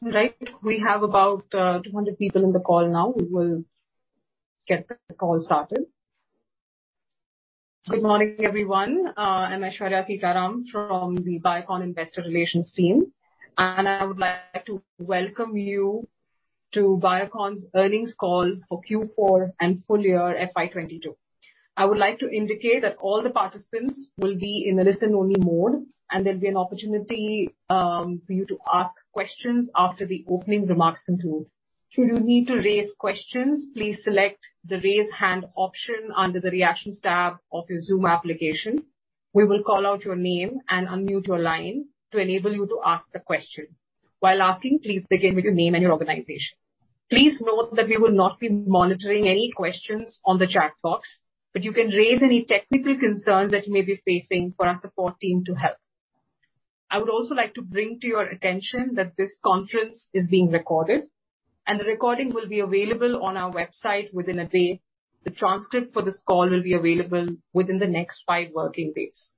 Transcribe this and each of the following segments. Right. We have about 200 people in the call now. We will get the call started. Good morning, everyone. I'm Aishwarya Seetharam from the Biocon investor relations team. I would like to welcome you to Biocon's earnings call for Q4 and full year FY 2022. I would like to indicate that all the participants will be in a listen-only mode, and there'll be an opportunity for you to ask questions after the opening remarks conclude. Should you need to raise questions, please select the Raise Hand option under the Reactions tab of your Zoom application. We will call out your name and unmute your line to enable you to ask the question. While asking, please begin with your name and your organization. Please note that we will not be monitoring any questions on the chat box, but you can raise any technical concerns that you may be facing for our support team to help. I would also like to bring to your attention that this conference is being recorded, and the recording will be available on our website within a day. The transcript for this call will be available within the next five working days.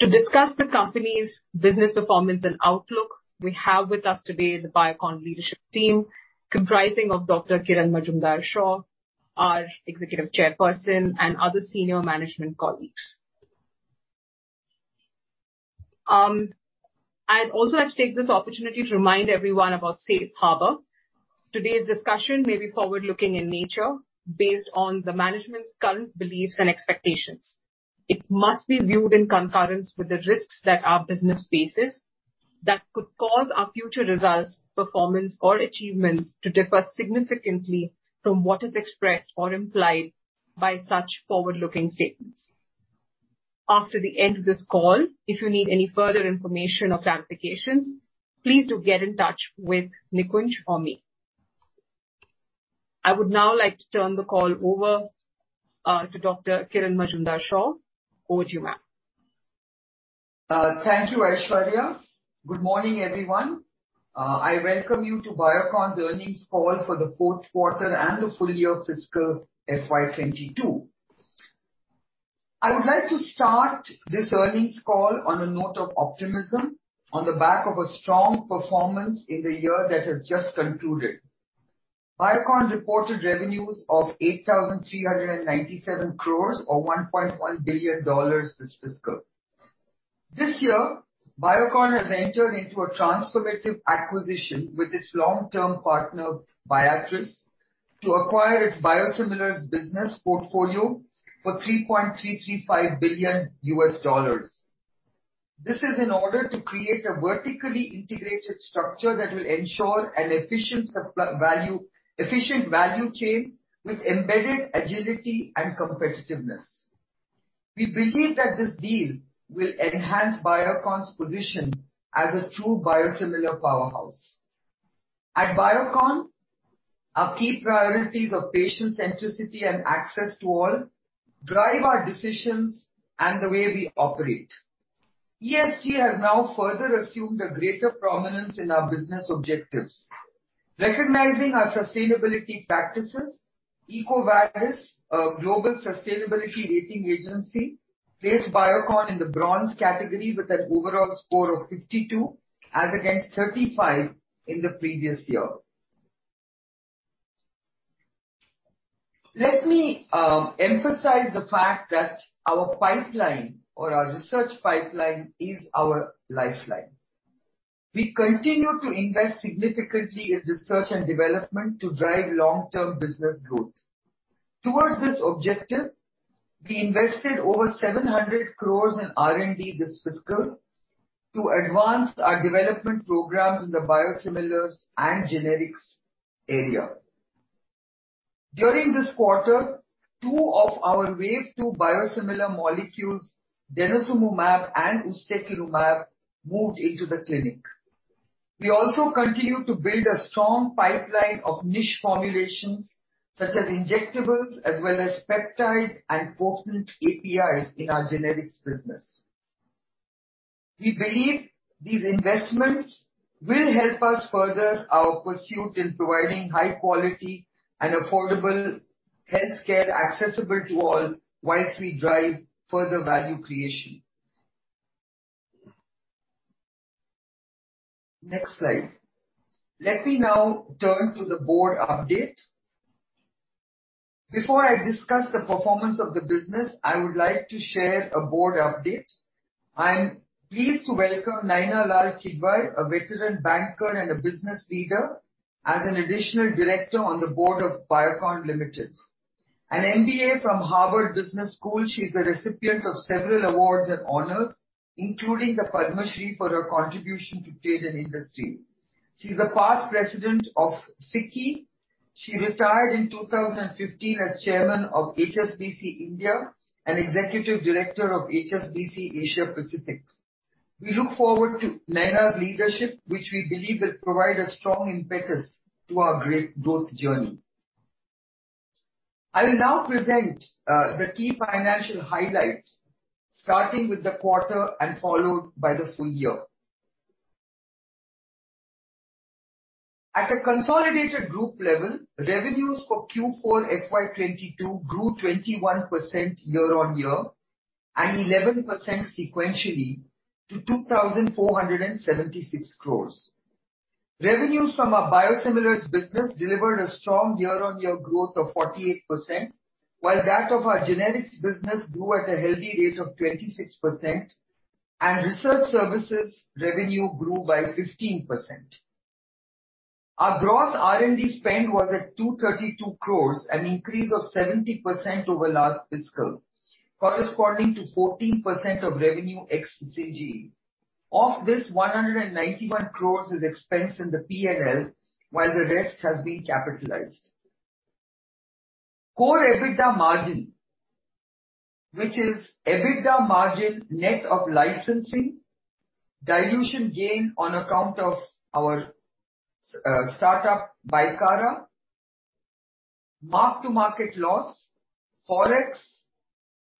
To discuss the company's business performance and outlook, we have with us today the Biocon leadership team comprising of Dr. Kiran Mazumdar-Shaw, our Executive Chairperson, and other senior management colleagues. I'd also like to take this opportunity to remind everyone about safe harbor. Today's discussion may be forward-looking in nature based on the management's current beliefs and expectations. It must be viewed in concurrence with the risks that our business faces that could cause our future results, performance or achievements to differ significantly from what is expressed or implied by such forward-looking statements. After the end of this call, if you need any further information or clarifications, please do get in touch with Nikunj or me. I would now like to turn the call over to Dr. Kiran Mazumdar-Shaw. Over to you, ma'am. Thank you, Aishwarya. Good morning, everyone. I welcome you to Biocon's earnings call for the fourth quarter and the full year fiscal FY 2022. I would like to start this earnings call on a note of optimism on the back of a strong performance in the year that has just concluded. Biocon reported revenues of 8,397 crores or $1.1 billion this fiscal. This year, Biocon has entered into a transformative acquisition with its long-term partner, Viatris, to acquire its biosimilars business portfolio for $3.335 billion. This is in order to create a vertically integrated structure that will ensure an efficient supply chain with embedded agility and competitiveness. We believe that this deal will enhance Biocon's position as a true biosimilar powerhouse. At Biocon, our key priorities of patient centricity and access to all drive our decisions and the way we operate. ESG has now further assumed a greater prominence in our business objectives. Recognizing our sustainability practices, EcoVadis, a global sustainability rating agency, placed Biocon in the bronze category with an overall score of 52 as against 35 in the previous year. Let me emphasize the fact that our pipeline or our research pipeline is our lifeline. We continue to invest significantly in research and development to drive long-term business growth. Towards this objective, we invested over 700 crores in R&D this fiscal to advance our development programs in the biosimilars and generics area. During this quarter, two of our wave two biosimilar molecules, denosumab and ustekinumab, moved into the clinic. We also continue to build a strong pipeline of niche formulations such as injectables as well as peptide and potent APIs in our genetics business. We believe these investments will help us further our pursuit in providing high quality and affordable healthcare accessible to all while we drive further value creation. Next slide. Let me now turn to the board update. Before I discuss the performance of the business, I would like to share a board update. I'm pleased to welcome Naina Lal Kidwai, a veteran banker and a business leader, as an additional director on the board of Biocon Limited. An MBA from Harvard Business School, she's a recipient of several awards and honors, including the Padma Shri for her contribution to trade and industry. She's a past president of FICCI. She retired in 2015 as chairman of HSBC India and executive director of HSBC Asia Pacific. We look forward to Naina's leadership, which we believe will provide a strong impetus to our great growth journey. I will now present the key financial highlights, starting with the quarter and followed by the full year. At a consolidated group level, revenues for Q4 FY22 grew 21% year-on-year and 11% sequentially to 2,476 crores. Revenues from our biosimilars business delivered a strong year-on-year growth of 48%, while that of our generics business grew at a healthy rate of 26% and research services revenue grew by 15%. Our gross R&D spend was at 232 crores, an increase of 70% over last fiscal, corresponding to 14% of revenue ex-Syngene. Of this, 191 crores is expensed in the P&L, while the rest has been capitalized. Core EBITDA margin, which is EBITDA margin net of licensing, dilution gain on account of our startup, Bicara, mark-to-market loss, Forex,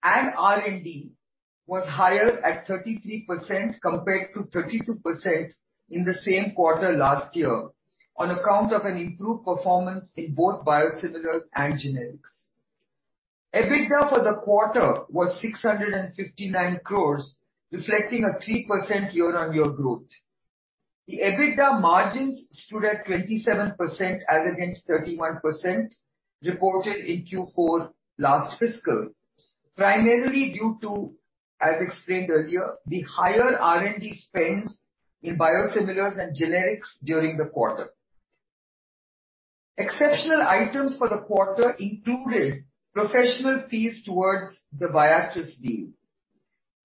and R&D was higher at 33% compared to 32% in the same quarter last year on account of an improved performance in both biosimilars and generics. EBITDA for the quarter was 659 crores, reflecting a 3% year-on-year growth. The EBITDA margins stood at 27% as against 31% reported in Q4 last fiscal, primarily due to, as explained earlier, the higher R&D spends in biosimilars and generics during the quarter. Exceptional items for the quarter included professional fees towards the Viatris deal.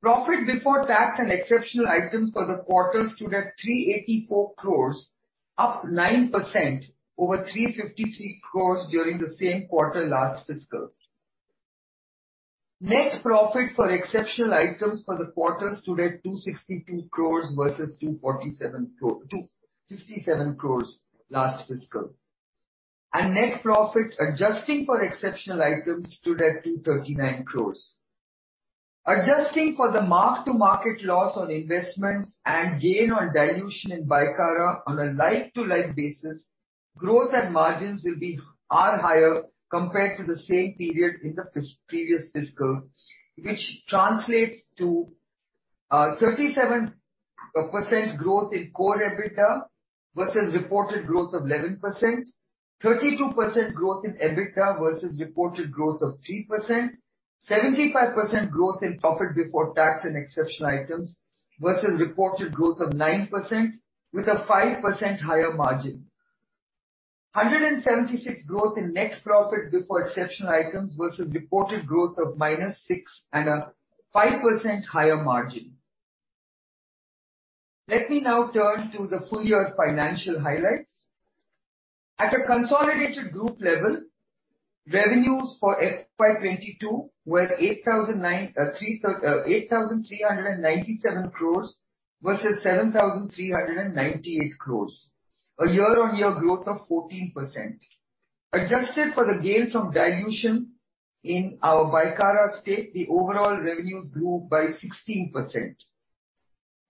Profit before tax and exceptional items for the quarter stood at 384 crores, up 9% over 353 crores during the same quarter last fiscal. Net profit for exceptional items for the quarter stood at 262 crores versus 247 crores versus 257 crores last fiscal. Net profit, adjusting for exceptional items, stood at 239 crores. Adjusting for the mark-to-market loss on investments and gain on dilution in Bicara on a like-to-like basis, growth and margins are higher compared to the same period in the previous fiscal. Which translates to 37% growth in core EBITDA versus reported growth of 11%, 32% growth in EBITDA versus reported growth of 3%, 75% growth in profit before tax and exceptional items versus reported growth of 9% with a 5% higher margin. 176% growth in net profit before exceptional items versus reported growth of -6% and a 5% higher margin. Let me now turn to the full-year financial highlights. At a consolidated group level, revenues for FY 2022 were 8,397 crores versus 7,398 crores, a year-on-year growth of 14%. Adjusted for the gain from dilution in our Bicara stake, the overall revenues grew by 16%.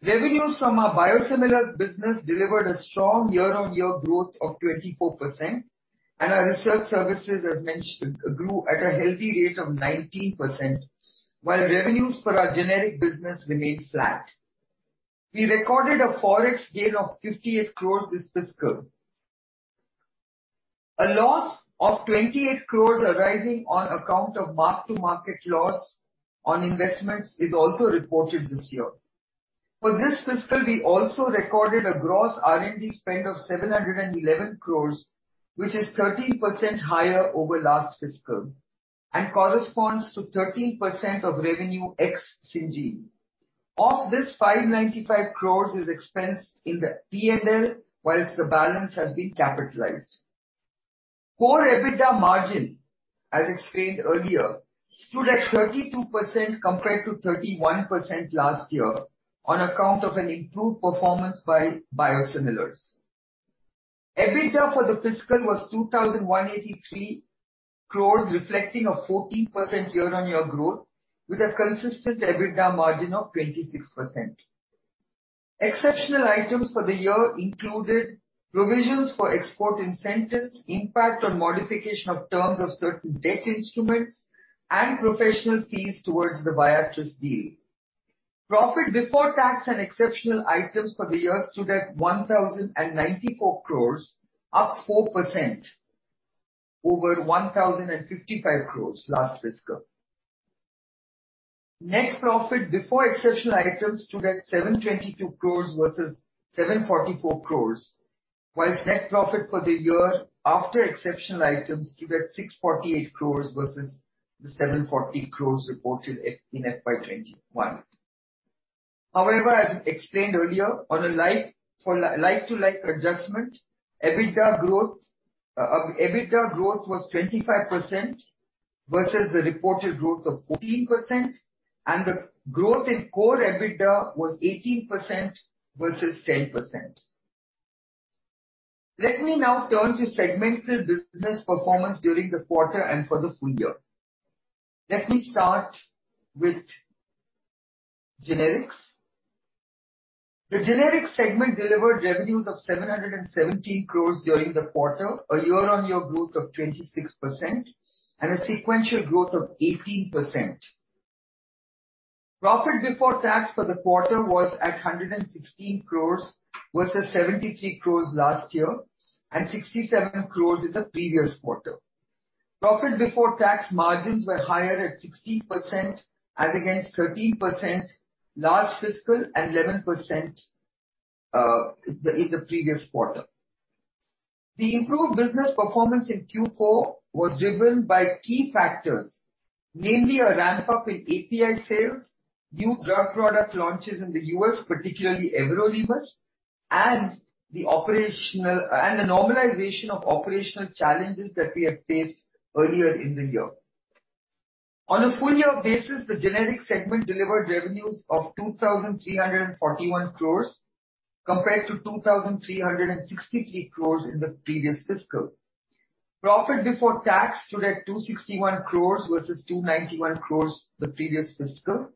Revenues from our biosimilars business delivered a strong year-on-year growth of 24%, and our research services, as mentioned, grew at a healthy rate of 19%, while revenues for our generic business remained flat. We recorded a Forex gain of 58 crores this fiscal. A loss of 28 crores arising on account of mark-to-market loss on investments is also reported this year. For this fiscal, we also recorded a gross R&D spend of 711 crores, which is 13% higher over last fiscal and corresponds to 13% of revenue ex-Syngene. Of this, 595 crores is expensed in the P&L, while the balance has been capitalized. Core EBITDA margin, as explained earlier, stood at 32% compared to 31% last year on account of an improved performance by biosimilars. EBITDA for the fiscal was 2,183 crores, reflecting a 14% year-on-year growth with a consistent EBITDA margin of 26%. Exceptional items for the year included provisions for export incentives, impact on modification of terms of certain debt instruments, and professional fees towards the Viatris deal. Profit before tax and exceptional items for the year stood at 1,094 crores, up 4% over 1,055 crores last fiscal. Net profit before exceptional items stood at 722 crore versus 744 crore, while net profit for the year after exceptional items stood at 648 crore versus the 740 crore reported in FY 2021. However, as explained earlier, on a like-to-like adjustment, EBITDA growth was 25% versus the reported growth of 14%, and the growth in core EBITDA was 18% versus 10%. Let me now turn to segmental business performance during the quarter and for the full year. Let me start with generics. The generics segment delivered revenues of 717 crore during the quarter, a year-on-year growth of 26%, and a sequential growth of 18%. Profit before tax for the quarter was at 116 crore, versus 73 crore last year and 67 crore in the previous quarter. Profit before tax margins were higher at 16% as against 13% last fiscal and 11% in the previous quarter. The improved business performance in Q4 was driven by key factors, namely a ramp-up in API sales, new drug product launches in the U.S., particularly everolimus, and the normalization of operational challenges that we have faced earlier in the year. On a full year basis, the generics segment delivered revenues of 2,341 crores compared to 2,363 crores in the previous fiscal. Profit before tax stood at 261 crores versus 291 crores the previous fiscal.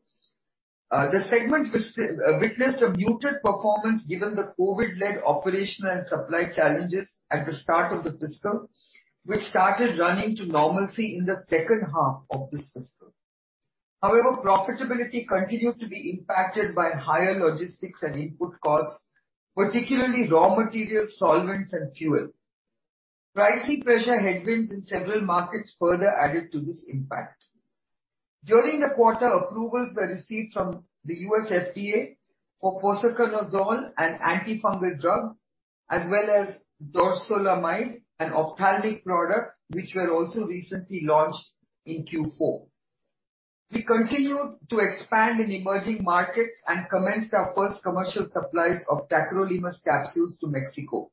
The segment witnessed a muted performance given the COVID-led operational and supply challenges at the start of the fiscal, which started returning to normalcy in the second half of this fiscal. However, profitability continued to be impacted by higher logistics and input costs, particularly raw materials, solvents and fuel. Pricing pressure headwinds in several markets further added to this impact. During the quarter, approvals were received from the U.S. FDA for posaconazole, an antifungal drug, as well as dorzolamide, an ophthalmic product, which were also recently launched in Q4. We continued to expand in emerging markets and commenced our first commercial supplies of tacrolimus capsules to Mexico.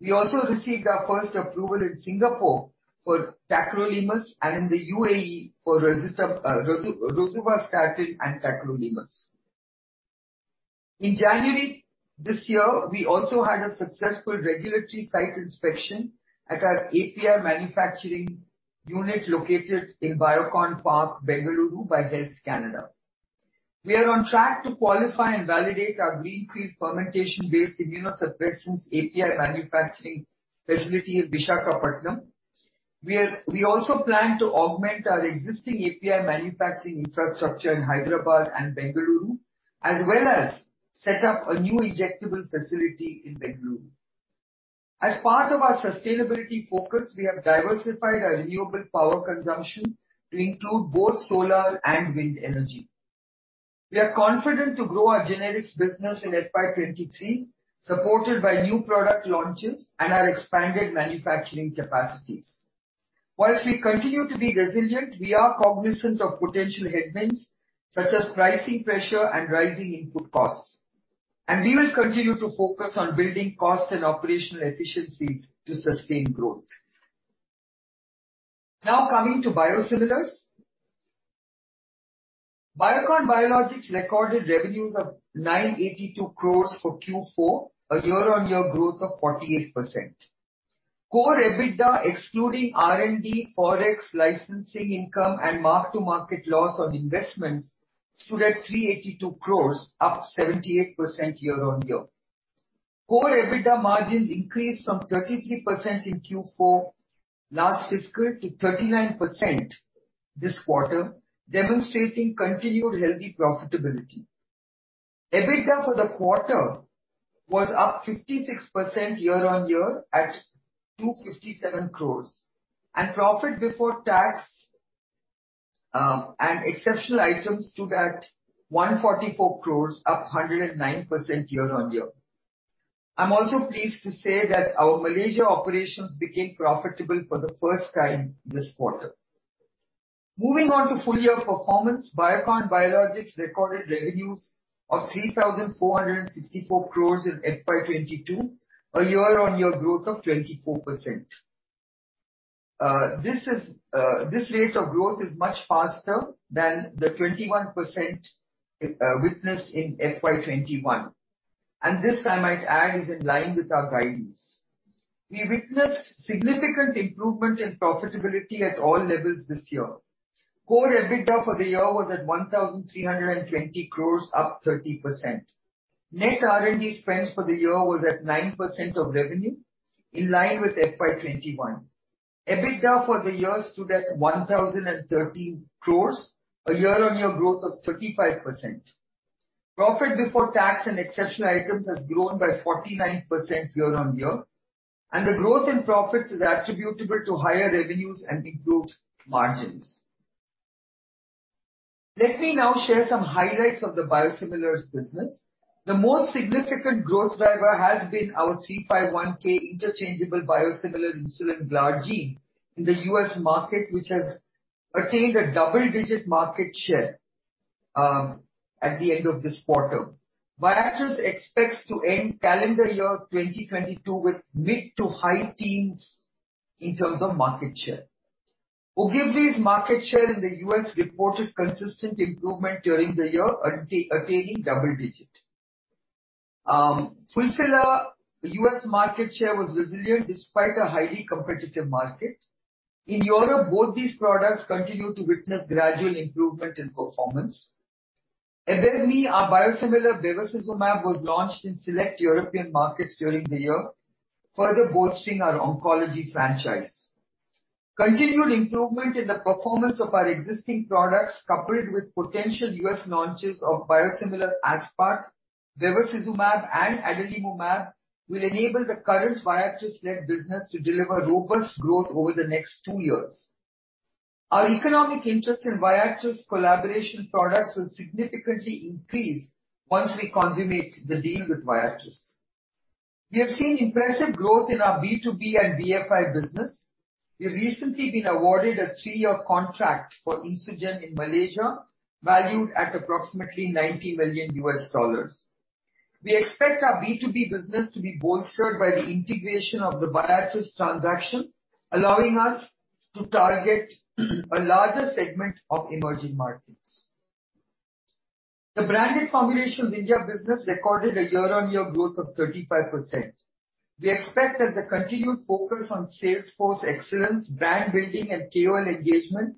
We also received our first approval in Singapore for tacrolimus and in the UAE for resita, rosuvastatin and tacrolimus. In January this year, we also had a successful regulatory site inspection at our API manufacturing unit located in Biocon Park, Bengaluru, by Health Canada. We are on track to qualify and validate our greenfield fermentation-based immunosuppressants API manufacturing facility in Visakhapatnam. We also plan to augment our existing API manufacturing infrastructure in Hyderabad and Bengaluru, as well as set up a new injectable facility in Bengaluru. As part of our sustainability focus, we have diversified our renewable power consumption to include both solar and wind energy. We are confident to grow our generics business in FY 2023, supported by new product launches and our expanded manufacturing capacities. While we continue to be resilient, we are cognizant of potential headwinds such as pricing pressure and rising input costs, and we will continue to focus on building costs and operational efficiencies to sustain growth. Now, coming to biosimilars. Biocon Biologics recorded revenues of 982 crore for Q4, a year-on-year growth of 48%. Core EBITDA excluding R&D, Forex, licensing income and mark-to-market loss on investments stood at 382 crore, up 78% year-on-year. Core EBITDA margins increased from 33% in Q4 last fiscal to 39% this quarter, demonstrating continued healthy profitability. EBITDA for the quarter was up 56% year-on-year at 257 crores, and profit before tax and exceptional items stood at 144 crores, up 109% year-on-year. I'm also pleased to say that our Malaysia operations became profitable for the first time this quarter. Moving on to full year performance. Biocon Biologics recorded revenues of 3,464 crores in FY 2022, a year-on-year growth of 24%. This rate of growth is much faster than the 21% witnessed in FY 2021, and this, I might add, is in line with our guidance. We witnessed significant improvement in profitability at all levels this year. Core EBITDA for the year was at 1,320 crores, up 30%. Net R&D spends for the year was at 9% of revenue, in line with FY 2021. EBITDA for the year stood at 1,013 crores, a year-on-year growth of 35%. Profit before tax and exceptional items has grown by 49% year-on-year, and the growth in profits is attributable to higher revenues and improved margins. Let me now share some highlights of the biosimilars business. The most significant growth driver has been our 351(k) interchangeable biosimilar insulin Glargine in the U.S. market, which has attained a double-digit market share at the end of this quarter. Biocon expects to end calendar year 2022 with mid- to high-teens in terms of market share. Ogivri's market share in the U.S. reported consistent improvement during the year, attaining double-digit. Fulphila U.S. market share was resilient despite a highly competitive market. In Europe, both these products continued to witness gradual improvement in performance. Abevmy, our biosimilar bevacizumab, was launched in select European markets during the year, further bolstering our oncology franchise. Continued improvement in the performance of our existing products, coupled with potential U.S. launches of biosimilar aspart, Bevacizumab and Adalimumab, will enable the current Viatris-led business to deliver robust growth over the next two years. Our economic interest in Viatris collaboration products will significantly increase once we consummate the deal with Viatris. We have seen impressive growth in our B2B and BFI business. We've recently been awarded a three-year contract for Insugen in Malaysia, valued at approximately $90 million. We expect our B2B business to be bolstered by the integration of the Viatris transaction, allowing us to target a larger segment of emerging markets. The Branded Formulations India business recorded a year-on-year growth of 35%. We expect that the continued focus on sales force excellence, brand building and KOL engagement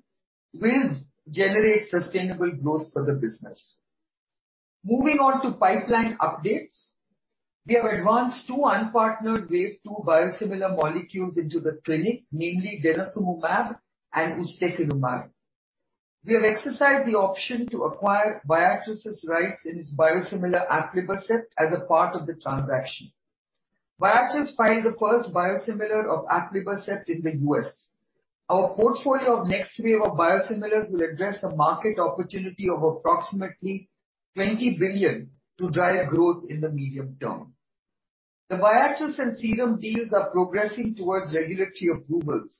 will generate sustainable growth for the business. Moving on to pipeline updates. We have advanced two unpartnered wave two biosimilar molecules into the clinic, namely denosumab and ustekinumab. We have exercised the option to acquire Viatris' rights in its biosimilar aflibercept as a part of the transaction. Viatris filed the first biosimilar of aflibercept in the US. Our portfolio of next wave of biosimilars will address the market opportunity of approximately $20 billion to drive growth in the medium term. The Viatris and Serum deals are progressing towards regulatory approvals.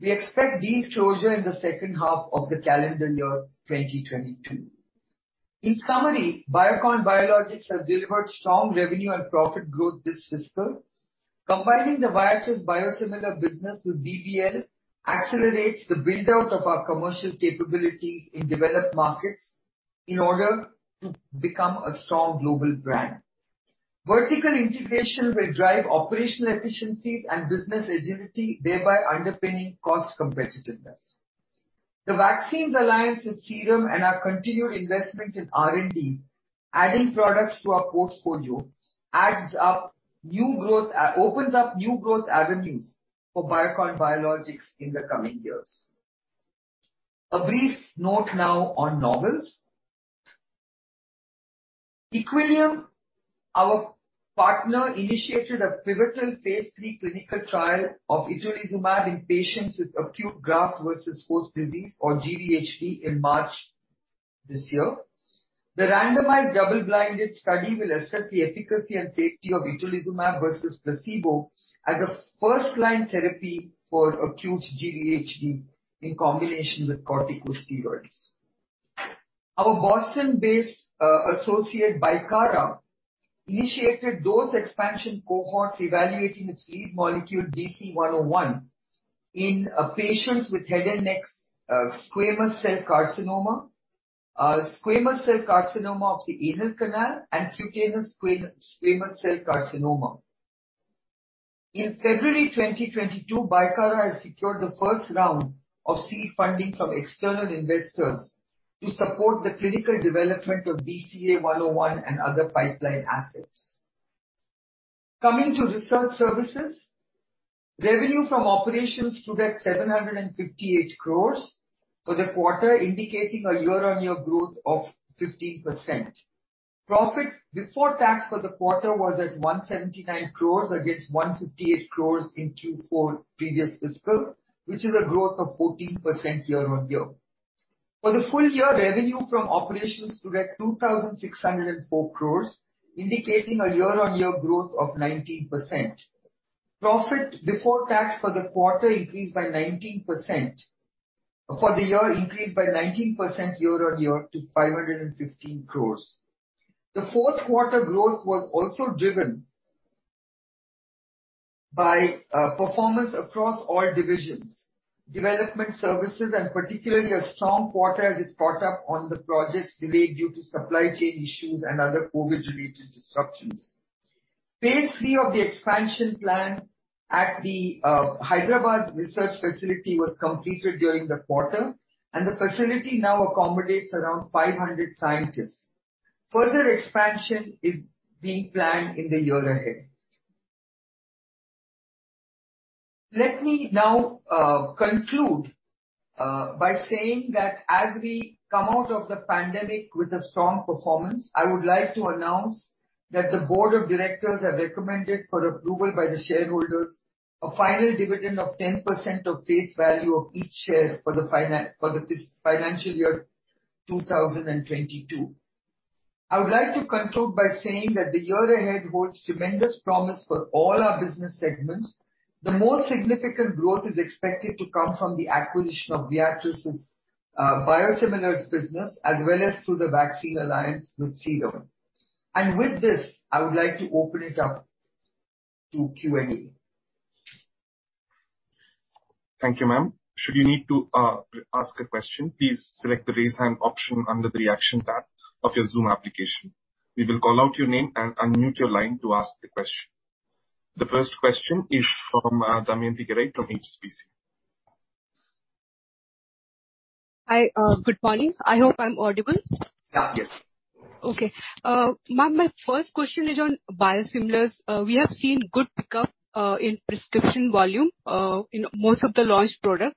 We expect deal closure in the second half of the calendar year 2022. In summary, Biocon Biologics has delivered strong revenue and profit growth this fiscal. Combining the Viatris biosimilar business with BBL accelerates the build-out of our commercial capabilities in developed markets in order to become a strong global brand. Vertical integration will drive operational efficiencies and business agility, thereby underpinning cost competitiveness. The Vaccines alliance with Serum and our continued investment in R&D, adding products to our portfolio, opens up new growth avenues for Biocon Biologics in the coming years. A brief note now on novel. Equillium, our partner, initiated a pivotal phase III clinical trial of itolizumab in patients with acute graft versus host disease, or GvHD, in March this year. The randomized double-blinded study will assess the efficacy and safety of itolizumab versus placebo as a first-line therapy for acute GvHD in combination with corticosteroids. Our Boston-based associate, Bicara, initiated dose expansion cohorts evaluating its lead molecule, BCA-101, in patients with head and neck squamous cell carcinoma, squamous cell carcinoma of the anal canal and cutaneous squamous cell carcinoma. In February 2022, Bicara has secured the first round of seed funding from external investors to support the clinical development of BCA-101 and other pipeline assets. Coming to research services, revenue from operations stood at 758 crores for the quarter, indicating a year-on-year growth of 15%. Profit before tax for the quarter was at 179 crores against 158 crores in Q4 previous fiscal, which is a growth of 14% year-on-year. For the full year, revenue from operations stood at 2,604 crores, indicating a year-on-year growth of 19%. Profit before tax for the quarter increased by 19%. For the year, increased by 19% year on year to 515 crores. The fourth quarter growth was also driven by performance across all divisions. Development services, and particularly a strong quarter as it caught up on the projects delayed due to supply chain issues and other COVID-related disruptions. Phase III of the expansion plan at the Hyderabad research facility was completed during the quarter and the facility now accommodates around 500 scientists. Further expansion is being planned in the year ahead. Let me now conclude by saying that as we come out of the pandemic with a strong performance, I would like to announce that the board of directors have recommended for approval by the shareholders a final dividend of 10% of face value of each share for the financial year 2022. I would like to conclude by saying that the year ahead holds tremendous promise for all our business segments. The most significant growth is expected to come from the acquisition of Viatris's biosimilars business as well as through the vaccine alliance with Serum. With this, I would like to open it up for Q&A. Thank you, ma'am. Should you need to ask a question, please select the Raise Hand option under the Action tab of your Zoom application. We will call out your name and unmute your line to ask the question. The first question is from Damayanti Kerai from HSBC. Hi. Good morning. I hope I'm audible. Yeah. Yes. Ma'am, my first question is on biosimilars. We have seen good pickup in prescription volume in most of the launched product.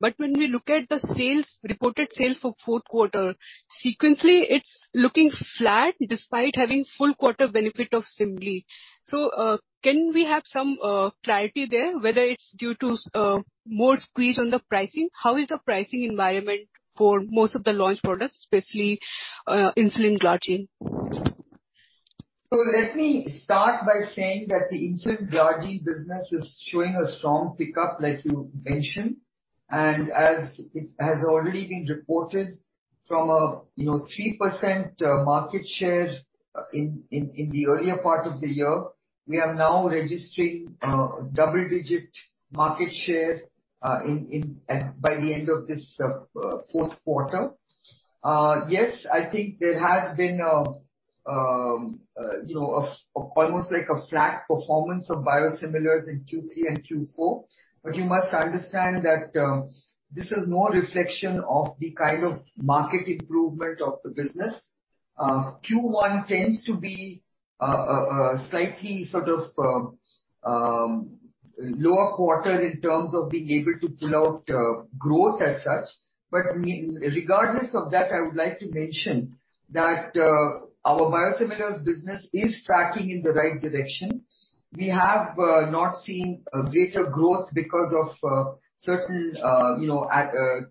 When we look at the sales, reported sales for fourth quarter, sequentially, it's looking flat despite having full quarter benefit of Semglee. Can we have some clarity there, whether it's due to more squeeze on the pricing? How is the pricing environment for most of the launched products, especially insulin Glargine? Let me start by saying that the insulin Glargine business is showing a strong pickup, like you mentioned. As it has already been reported from a you know 3% market share in the earlier part of the year, we are now registering double digit market share in by the end of this fourth quarter. Yes, I think there has been you know almost like a flat performance of biosimilars in Q3 and Q4. You must understand that this is more reflection of the kind of market improvement of the business. Q1 tends to be a slightly sort of lower quarter in terms of being able to pull out growth as such. Regardless of that, I would like to mention that our biosimilars business is tracking in the right direction. We have not seen a greater growth because of certain, you know,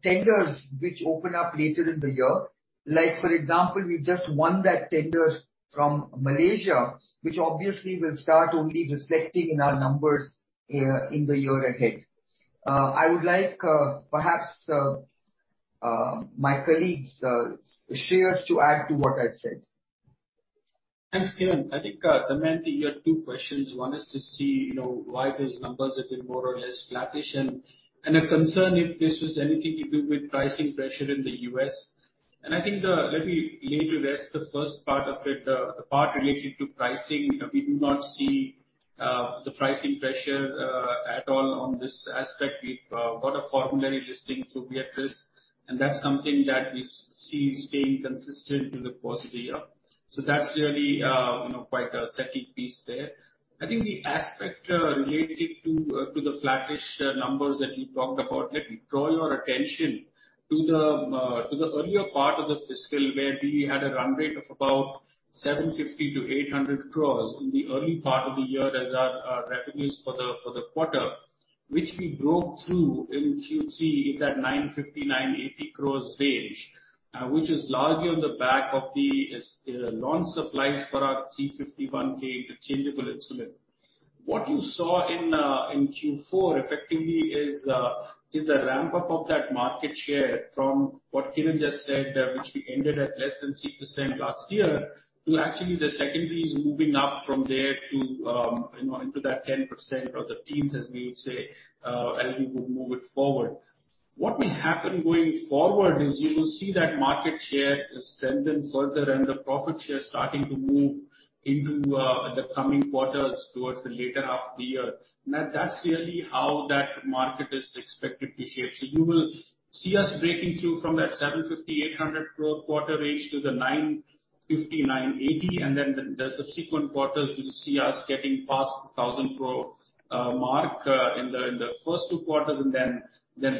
tenders which open up later in the year. Like for example, we just won that tender from Malaysia, which obviously will start only reflecting in our numbers in the year ahead. I would like perhaps my colleague Shreehas to add to what I've said. Thanks, Kiran. I think, Damayanti, you had two questions. One is to see, you know, why those numbers have been more or less flattish. A concern if this was anything to do with pricing pressure in the U.S. I think. Let me lay to rest the first part of it, the part related to pricing. We do not see the pricing pressure at all on this aspect. We've got a formulary listing through Viatris, and that's something that we see staying consistent through the course of the year. That's really, you know, quite a set piece there. I think the aspect related to the flattish numbers that you talked about, let me draw your attention to the earlier part of the fiscal where we had a run rate of about 750 crore-800 crore in the early part of the year as our revenues for the quarter, which we broke through in Q3 in that 950 crore-980 crore range, which is largely on the back of the new supplies for our 351(k) interchangeable insulin. What you saw in Q4 effectively is the ramp up of that market share from what Kiran just said, which we ended at less than 3% last year to actually the second piece moving up from there to, you know, into that 10% or the teens, as we would say, as we would move it forward. What will happen going forward is you will see that market share strengthen further and the profit share starting to move into the coming quarters towards the later half of the year. Now that's really how that market is expected to shape. You will see us breaking through from that 750-800 crore quarter range to the 950, 980, and then the subsequent quarters you will see us getting past the 1,000 crore mark in the first two quarters and then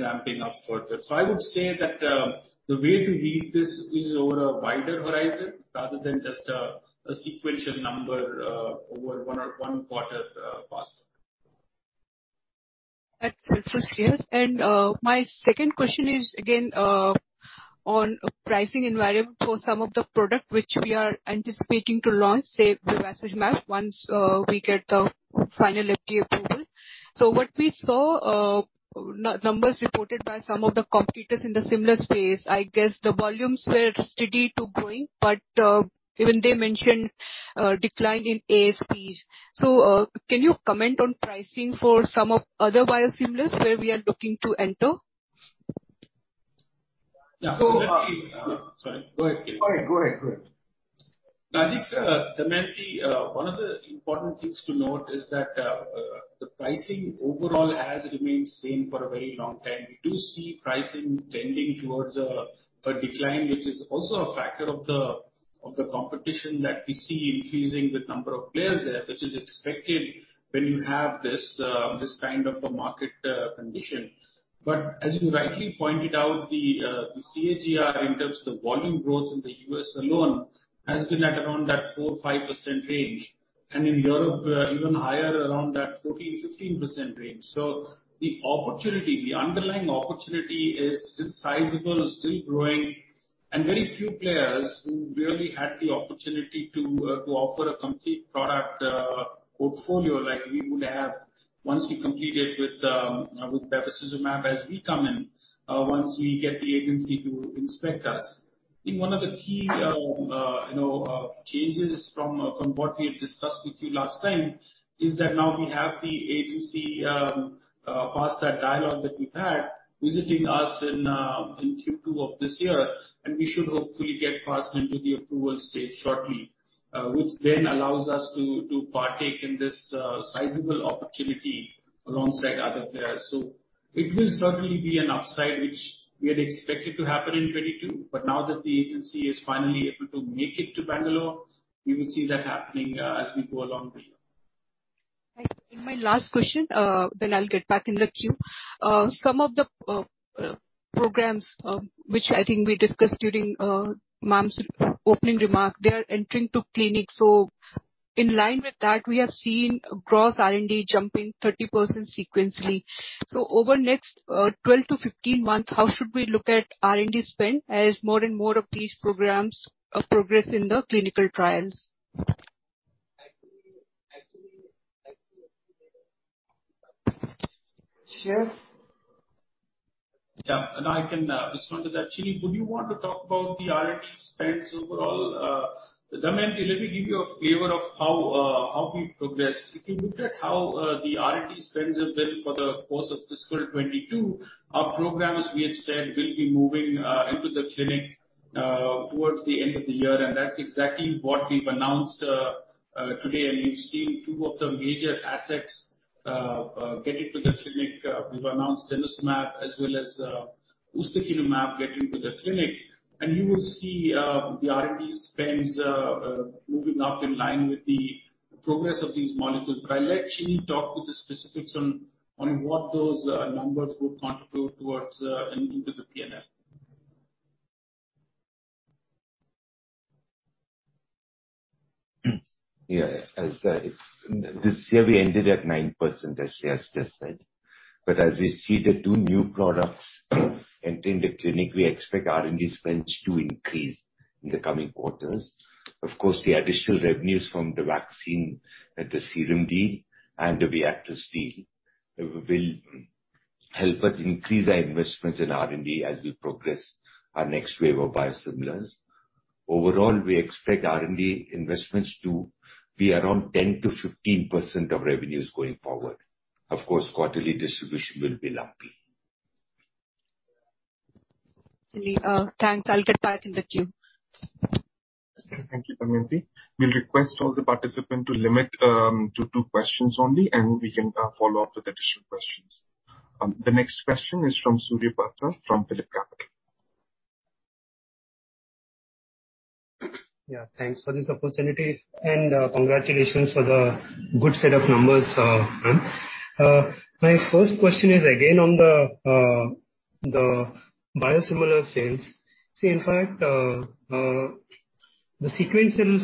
ramping up further. I would say that the way to read this is over a wider horizon rather than just a sequential number over one or two quarters past. That's helpful, Shreehas. My second question is again on pricing environment for some of the products which we are anticipating to launch, say bevacizumab, once we get the final FDA approval. What we saw, in numbers reported by some of the competitors in the similar space, I guess the volumes were steady to growing, but even they mentioned decline in ASPs. Can you comment on pricing for some of the other biosimilars where we are looking to enter? Yeah. So, uh- Sorry. Go ahead. I think, Damayanti, one of the important things to note is that, the pricing overall has remained same for a very long time. We do see pricing tending towards, a decline, which is also a factor of the competition that we see increasing the number of players there, which is expected when you have this kind of a market, condition. As you rightly pointed out, the CAGR in terms of the volume growth in the US alone has been at around that 4%-5% range. In Europe, even higher around that 14%-15% range. The opportunity, the underlying opportunity is still sizable, still growing, and very few players who really had the opportunity to offer a complete product portfolio like we would have once we complete with bevacizumab as we come in. Once we get the agency to inspect us. I think one of the key changes from what we had discussed with you last time is that now we have the agency, post that dialogue that we've had, visiting us in Q2 of this year, and we should hopefully get past the approval stage shortly. Which then allows us to partake in this sizable opportunity alongside other players. It will certainly be an upside which we had expected to happen in 2022, but now that the agency is finally able to make it to Bangalore, we will see that happening, as we go along the year. Right. My last question, then I'll get back in the queue. Some of the programs, which I think we discussed during ma'am's opening remark, they are entering the clinic. In line with that, we have seen gross R&D jumping 30% sequentially. Over the next 12 months-15 months, how should we look at R&D spend as more and more of these programs progress in the clinical trials? Yeah. I can respond to that. Chinni, would you want to talk about the R&D spends overall? Damayanti, let me give you a flavor of how we progressed. If you looked at how the R&D spends have been for the course of fiscal 2022, our programs, we had said, will be moving into the clinic towards the end of the year, and that's exactly what we've announced today. You've seen two of the major assets get into the clinic. We've announced denosumab as well as ustekinumab get into the clinic. You will see the R&D spends moving up in line with the progress of these molecules. But I'll let Chinni talk to the specifics on what those numbers would contribute towards and into the P&L. Yeah. As this year we ended at 9%, as Shreehas just said. As we see the two new products enter into clinic, we expect R&D spends to increase in the coming quarters. Of course, the additional revenues from the vaccine, the Serum deal and the Viatris deal, will help us increase our investments in R&D as we progress our next wave of biosimilars. Overall, we expect R&D investments to be around 10%-15% of revenues going forward. Of course, quarterly distribution will be lumpy. Thanks. I'll get back in the queue. Thank you, Damayanti. We'll request all the participants to limit to two questions only, and we can follow up with additional questions. The next question is from Surya Patra from PhillipCapital. Yeah. Thanks for this opportunity, and, congratulations for the good set of numbers, ma'am. My first question is again on the biosimilar sales. See, in fact, the sequential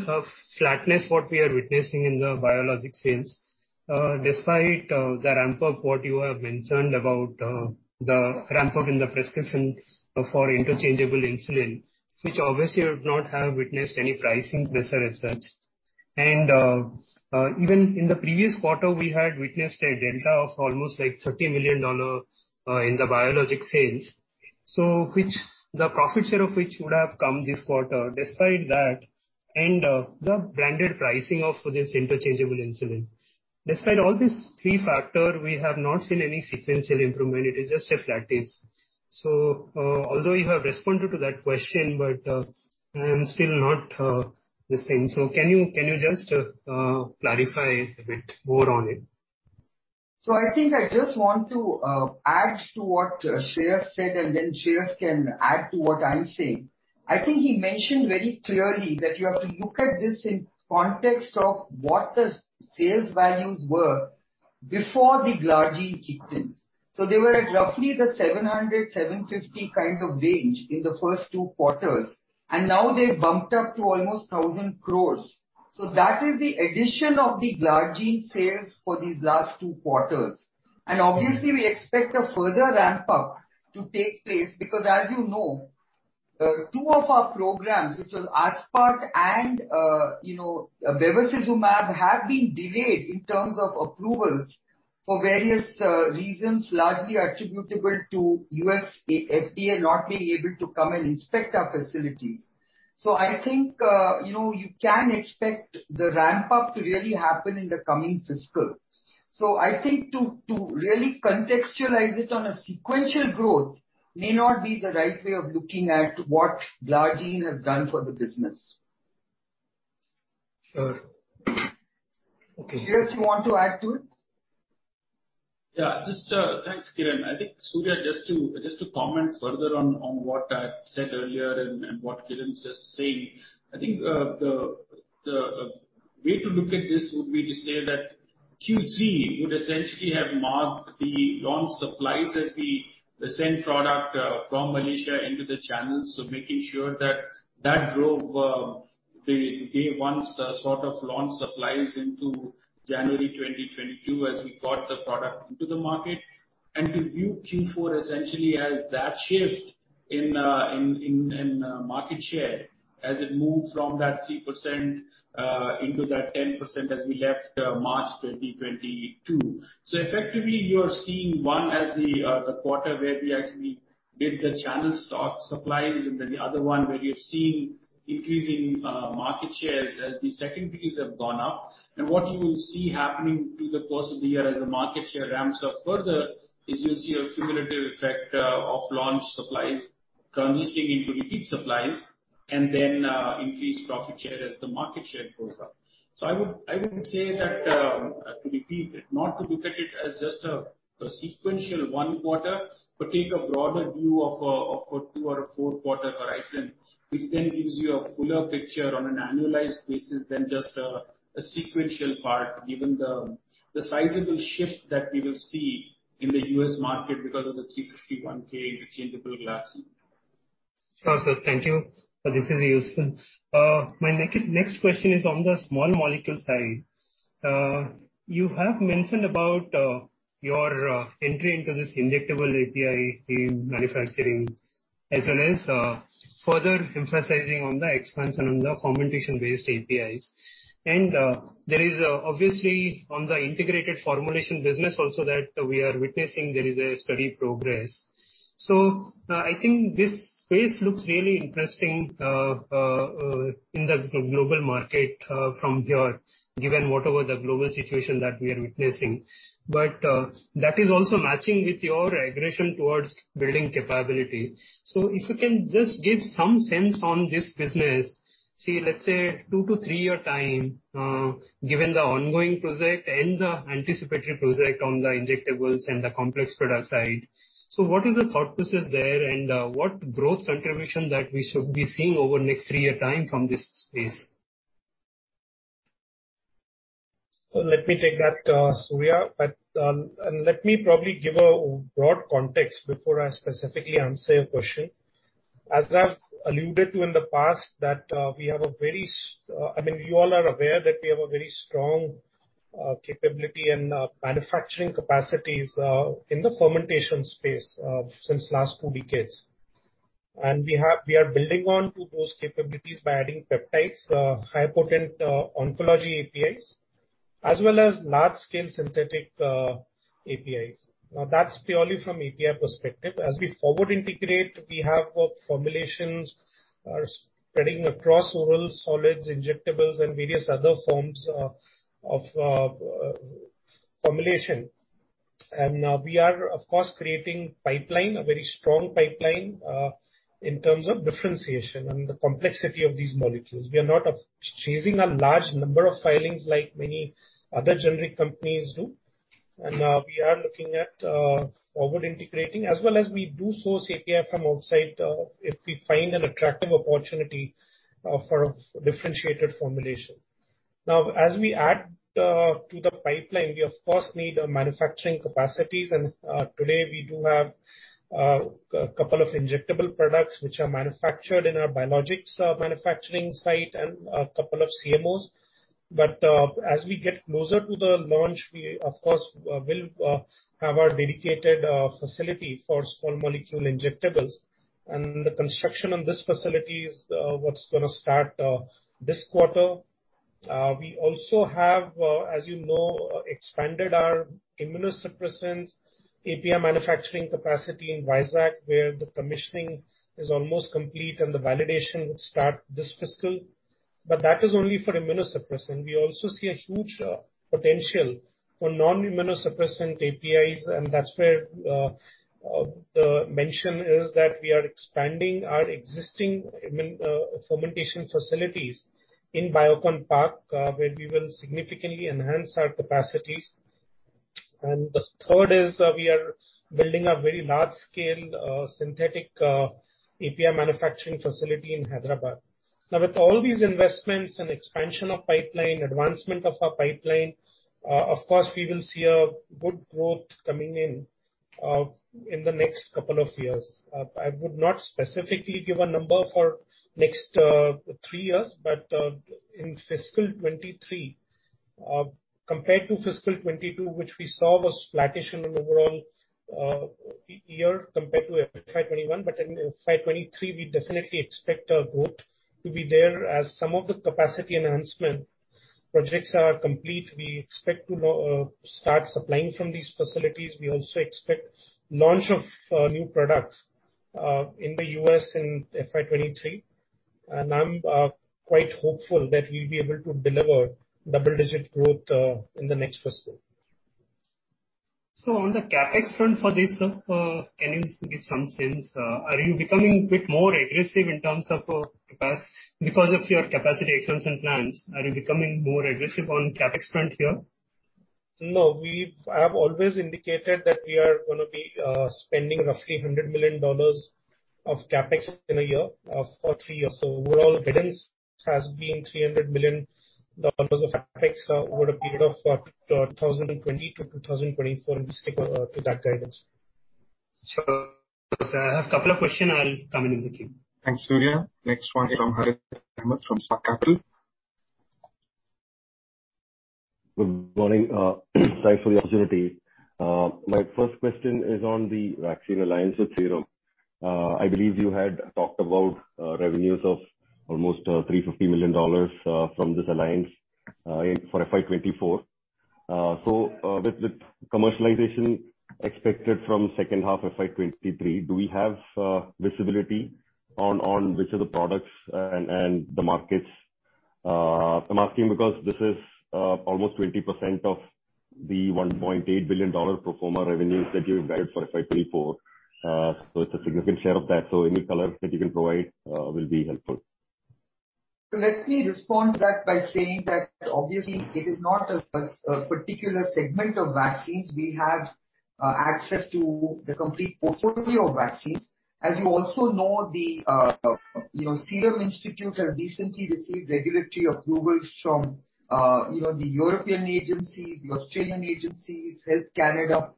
flatness what we are witnessing in the biologic sales, despite the ramp-up what you have mentioned about the ramp-up in the prescription for interchangeable insulin, which obviously would not have witnessed any pricing pressure as such. Even in the previous quarter, we had witnessed a delta of almost like $30 million in the biologic sales, so which the profit share of which would have come this quarter despite that and the branded pricing of this interchangeable insulin. Despite all these three factor, we have not seen any sequential improvement. It is just a flatness. Although you have responded to that question, but I am still not understanding. Can you just clarify a bit more on it? I think I just want to add to what Shreehas said and then Shreehas can add to what I'm saying. I think he mentioned very clearly that you have to look at this in context of what the sales values were before the Glargine kicked in. They were at roughly the 700-750 kind of range in the first two quarters, and now they've bumped up to almost 1,000 crores. That is the addition of the Glargine sales for these last two quarters. Obviously we expect a further ramp up to take place because as you know, two of our programs, which was Aspart and, you know, bevacizumab have been delayed in terms of approvals for various reasons, largely attributable to US FDA not being able to come and inspect our facilities. I think, you know, you can expect the ramp up to really happen in the coming fiscal. I think to really contextualize it on a sequential growth may not be the right way of looking at what Glargine has done for the business. Sure. Okay. Shreehas, you want to add to it? Yeah. Just, thanks, Kiran. I think, Surya, just to comment further on what I said earlier and what Kiran's just saying, I think, the way to look at this would be to say that Q3 would essentially have marked the launch supplies as we send product from Malaysia into the channels. So making sure that that drove the day one sort of launch supplies into January 2022 as we got the product into the market. To view Q4 essentially as that shift- Market share as it moves from that 3% into that 10% as we left March 2022. Effectively you're seeing Q1 as the quarter where we actually did the channel stock supplies, and then the other one where you're seeing increasing market shares as the second piece have gone up. What you will see happening through the course of the year as the market share ramps up further is you'll see a cumulative effect of launch supplies transitioning into repeat supplies and then increased profit share as the market share goes up. I would say that to repeat it, not to look at it as just a sequential one-quarter, but take a broader view of a two- or four-quarter horizon, which then gives you a fuller picture on an annualized basis than just a sequential quarter, given the sizable shift that we will see in the U.S. market because of the 351(k) interchangeable lapse. Sure, sir. Thank you. This is useful. My next question is on the small molecule side. You have mentioned about your entry into this injectable API in manufacturing, as well as further emphasizing on the expansion on the fermentation-based APIs. There is obviously on the integrated formulation business also that we are witnessing there is a steady progress. I think this space looks really interesting in the global market from here, given whatever the global situation that we are witnessing. That is also matching with your aggression towards building capability. If you can just give some sense on this business, say let's say two to three year time, given the ongoing project and the anticipatory project on the injectables and the complex product side. What is the thought process there, and what growth contribution that we should be seeing over next three year time from this space? Let me take that, Surya. Let me probably give a broad context before I specifically answer your question. As I've alluded to in the past that, I mean, you all are aware that we have a very strong capability and manufacturing capacities in the fermentation space since last two decades. We are building on to those capabilities by adding peptides, high potency oncology APIs, as well as large scale synthetic APIs. Now, that's purely from API perspective. As we forward integrate, we have formulations are spreading across orals, solids, injectables and various other forms of formulation. We are of course creating pipeline, a very strong pipeline in terms of differentiation and the complexity of these molecules. We are not off chasing a large number of filings like many other generic companies do. We are looking at forward integrating as well as we do source API from outside if we find an attractive opportunity for a differentiated formulation. Now, as we add to the pipeline, we of course need manufacturing capacities. Today we do have a couple of injectable products which are manufactured in our biologics manufacturing site and a couple of CMOs. But as we get closer to the launch, we of course will have our dedicated facility for small molecule injectables. The construction on this facility is what's gonna start this quarter. We also have, as you know, expanded our immunosuppressants API manufacturing capacity in Vizag, where the commissioning is almost complete and the validation would start this fiscal. That is only for immunosuppressant. We also see a huge potential for non-immunosuppressant APIs, and that's where the mention is that we are expanding our existing fermentation facilities in Biocon Park, where we will significantly enhance our capacities. The third is, we are building a very large scale synthetic API manufacturing facility in Hyderabad. Now, with all these investments and expansion of pipeline, advancement of our pipeline, of course, we will see a good growth coming in in the next couple of years. I would not specifically give a number for next three years, but in fiscal 23, compared to fiscal 22, which we saw was flattish on an overall year compared to FY 21, but in FY 23, we definitely expect our growth to be there as some of the capacity enhancement projects are complete. We expect to start supplying from these facilities. We also expect launch of new products in the US in FY 23. I'm quite hopeful that we'll be able to deliver double-digit growth in the next fiscal. On the CapEx front for this, can you give some sense? Are you becoming a bit more aggressive in terms of because of your capacity expansion plans, are you becoming more aggressive on CapEx front here? No. I have always indicated that we are gonna be spending roughly $100 million of CapEx in a year for three years. Overall guidance has been $300 million of CapEx over a period of 2020-2024. We stick to that guidance. Sure. I have a couple of questions. I'll come in the queue. Thanks, Surya. Next one is from Harit Ramachandran from Spark Capital. Good morning. Thanks for the opportunity. My first question is on the Vaccine Alliance with Serum. I believe you had talked about revenues of almost $350 million from this alliance in FY 2024. With the commercialization expected from second half FY 2023, do we have visibility on which of the products and the markets? I'm asking because this is almost 20% of the $1.8 billion pro forma revenues that you've guided for FY 2024, so it's a significant share of that, so any color that you can provide will be helpful. Let me respond to that by saying that obviously it is not a particular segment of vaccines. We have access to the complete portfolio of vaccines. As you also know, the Serum Institute of India has recently received regulatory approvals from the European agencies, the Australian agencies, Health Canada,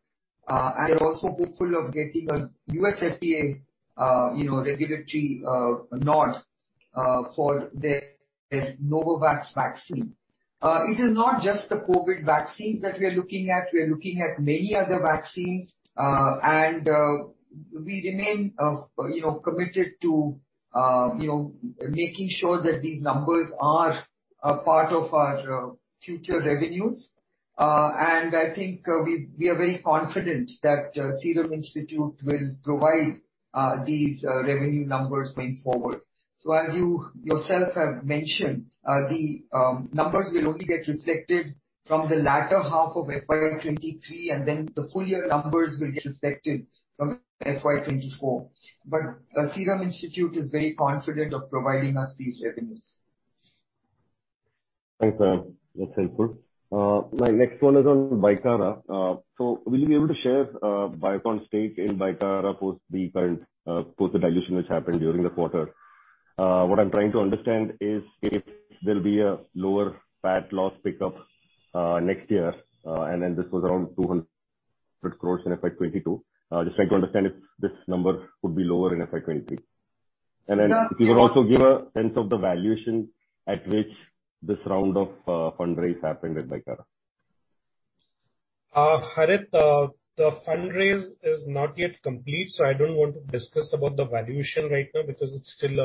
and also hopeful of getting a US FDA regulatory nod for their Novavax vaccine. It is not just the COVID vaccines that we are looking at, we are looking at many other vaccines. We remain committed to making sure that these numbers are a part of our future revenues. I think we are very confident that Serum Institute of India will provide these revenue numbers going forward. As you yourself have mentioned, the numbers will only get reflected from the latter half of FY 2023, and then the full year numbers will get reflected from FY 2024. Serum Institute is very confident of providing us these revenues. Thanks, that's helpful. My next one is on Bicara. So will you be able to share Biocon's stake in Bicara post the dilution which happened during the quarter? What I'm trying to understand is if there'll be a lower PAT loss pickup next year, and then this was around 200 crores in FY 2022. Just like to understand if this number would be lower in FY 2023. Uh- If you could also give a sense of the valuation at which this round of fundraise happened at Bicara. Harit, the fundraise is not yet complete, so I don't want to discuss about the valuation right now because it's still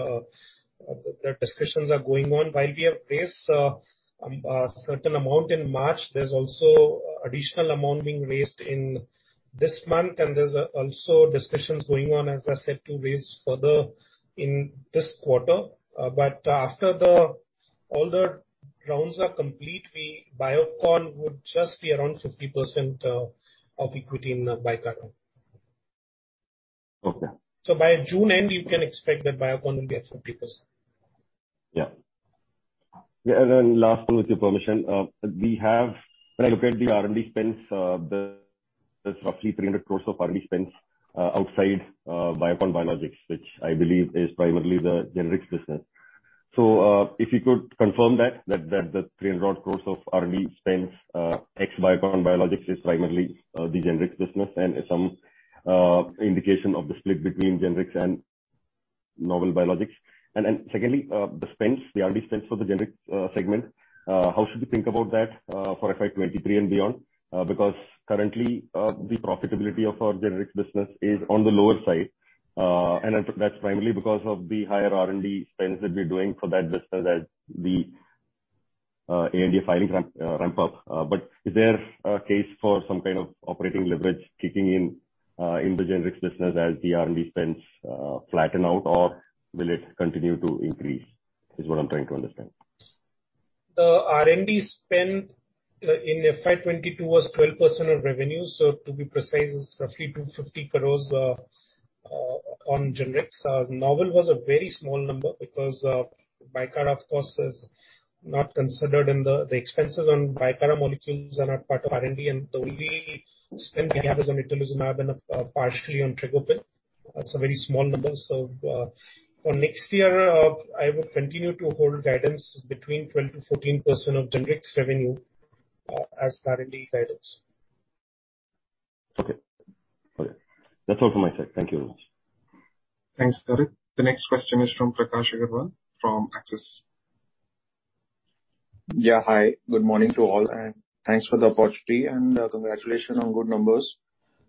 the discussions are going on. While we have raised a certain amount in March, there's also additional amount being raised in this month, and there's also discussions going on, as I said, to raise further in this quarter. After all the rounds are complete, we, Biocon would just be around 50% of equity in Bicara. Okay. By June end, you can expect that Biocon will be at 50%. Yeah. Yeah, last one with your permission. When I look at the R&D spends, there's roughly 300 crores of R&D spends outside Biocon Biologics, which I believe is primarily the generics business. If you could confirm that the 300 crores of R&D spends ex Biocon Biologics is primarily the generics business and some indication of the split between generics and novel biologics. Secondly, the R&D spends for the generics segment, how should we think about that for FY 2023 and beyond? Because currently, the profitability of our generics business is on the lower side, and that's primarily because of the higher R&D spends that we're doing for that business as the ANDA filings ramp up. Is there a case for some kind of operating leverage kicking in in the generics business as the R&D spends flatten out or will it continue to increase, is what I'm trying to understand. The R&D spend in FY 2022 was 12% of revenue. To be precise, it's roughly 250 crores on generics. Novel was a very small number because Bicara, of course, is not considered. The expenses on Bicara molecules are not part of R&D, and the only spend we have is on itolizumab and partially on tregopil. That's a very small number. For next year, I will continue to hold guidance between 12%-14% of generics revenue as R&D guidance. Okay. Got it. That's all from my side. Thank you very much. Thanks, Harit. The next question is from Prakash Agarwal from Axis. Yeah. Hi. Good morning to all, and thanks for the opportunity and, congratulations on good numbers.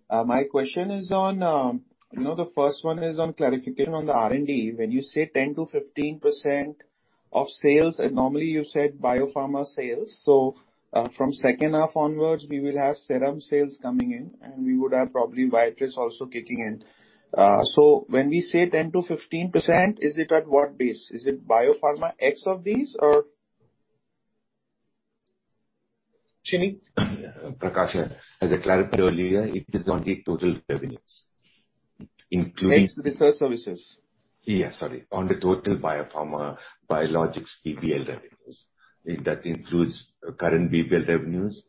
My question is on, you know, the first one is on clarification on the R&D. When you say 10%-15% of sales, and normally you said biopharma sales. From second half onwards we will have Serum sales coming in, and we would have probably Viatris also kicking in. When we say 10%-15%, is it at what base? Is it biopharma ex of these or? Chini? Prakash, as I clarified earlier, it is on the total revenues, including. Except the services. Yeah, sorry. On the total biopharma biologics BBL revenues. That includes current BBL revenues,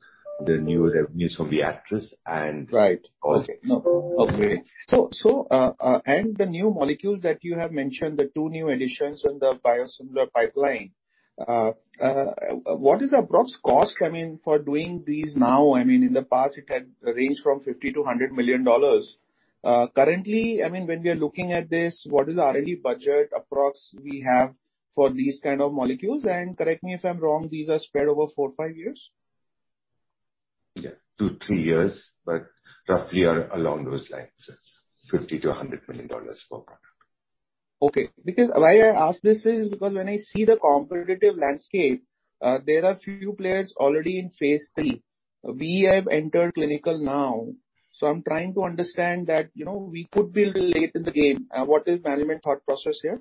the new revenues from Viatris and- Right. Okay. Okay, the new molecules that you have mentioned, the two new additions in the biosimilar pipeline, what is the approx cost coming for doing these now? I mean, in the past it had ranged from $50 million-$100 million. Currently, I mean, when we are looking at this, what is R&D budget approx we have for these kind of molecules? And correct me if I'm wrong, these are spread over four, five years. Yeah, two to three years, but roughly along those lines, yes. $50 million-$100 million per product. Okay. Because why I ask this is because when I see the competitive landscape, there are few players already in phase III. We have entered clinical now, so I'm trying to understand that, you know, we could be a little late in the game. What is management thought process here?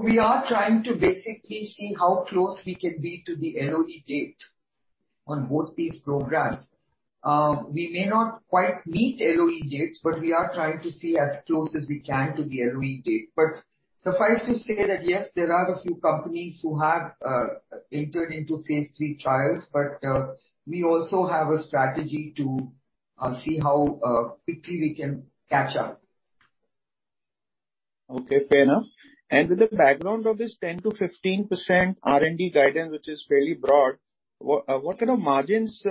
We are trying to basically see how close we can be to the LOE date on both these programs. We may not quite meet LOE dates, but we are trying to see as close as we can to the LOE date. Suffice to say that, yes, there are a few companies who have entered into phase III trials, but we also have a strategy to see how quickly we can catch up. Okay, fair enough. With the background of this 10%-15% R&D guidance, which is fairly broad, what kind of margins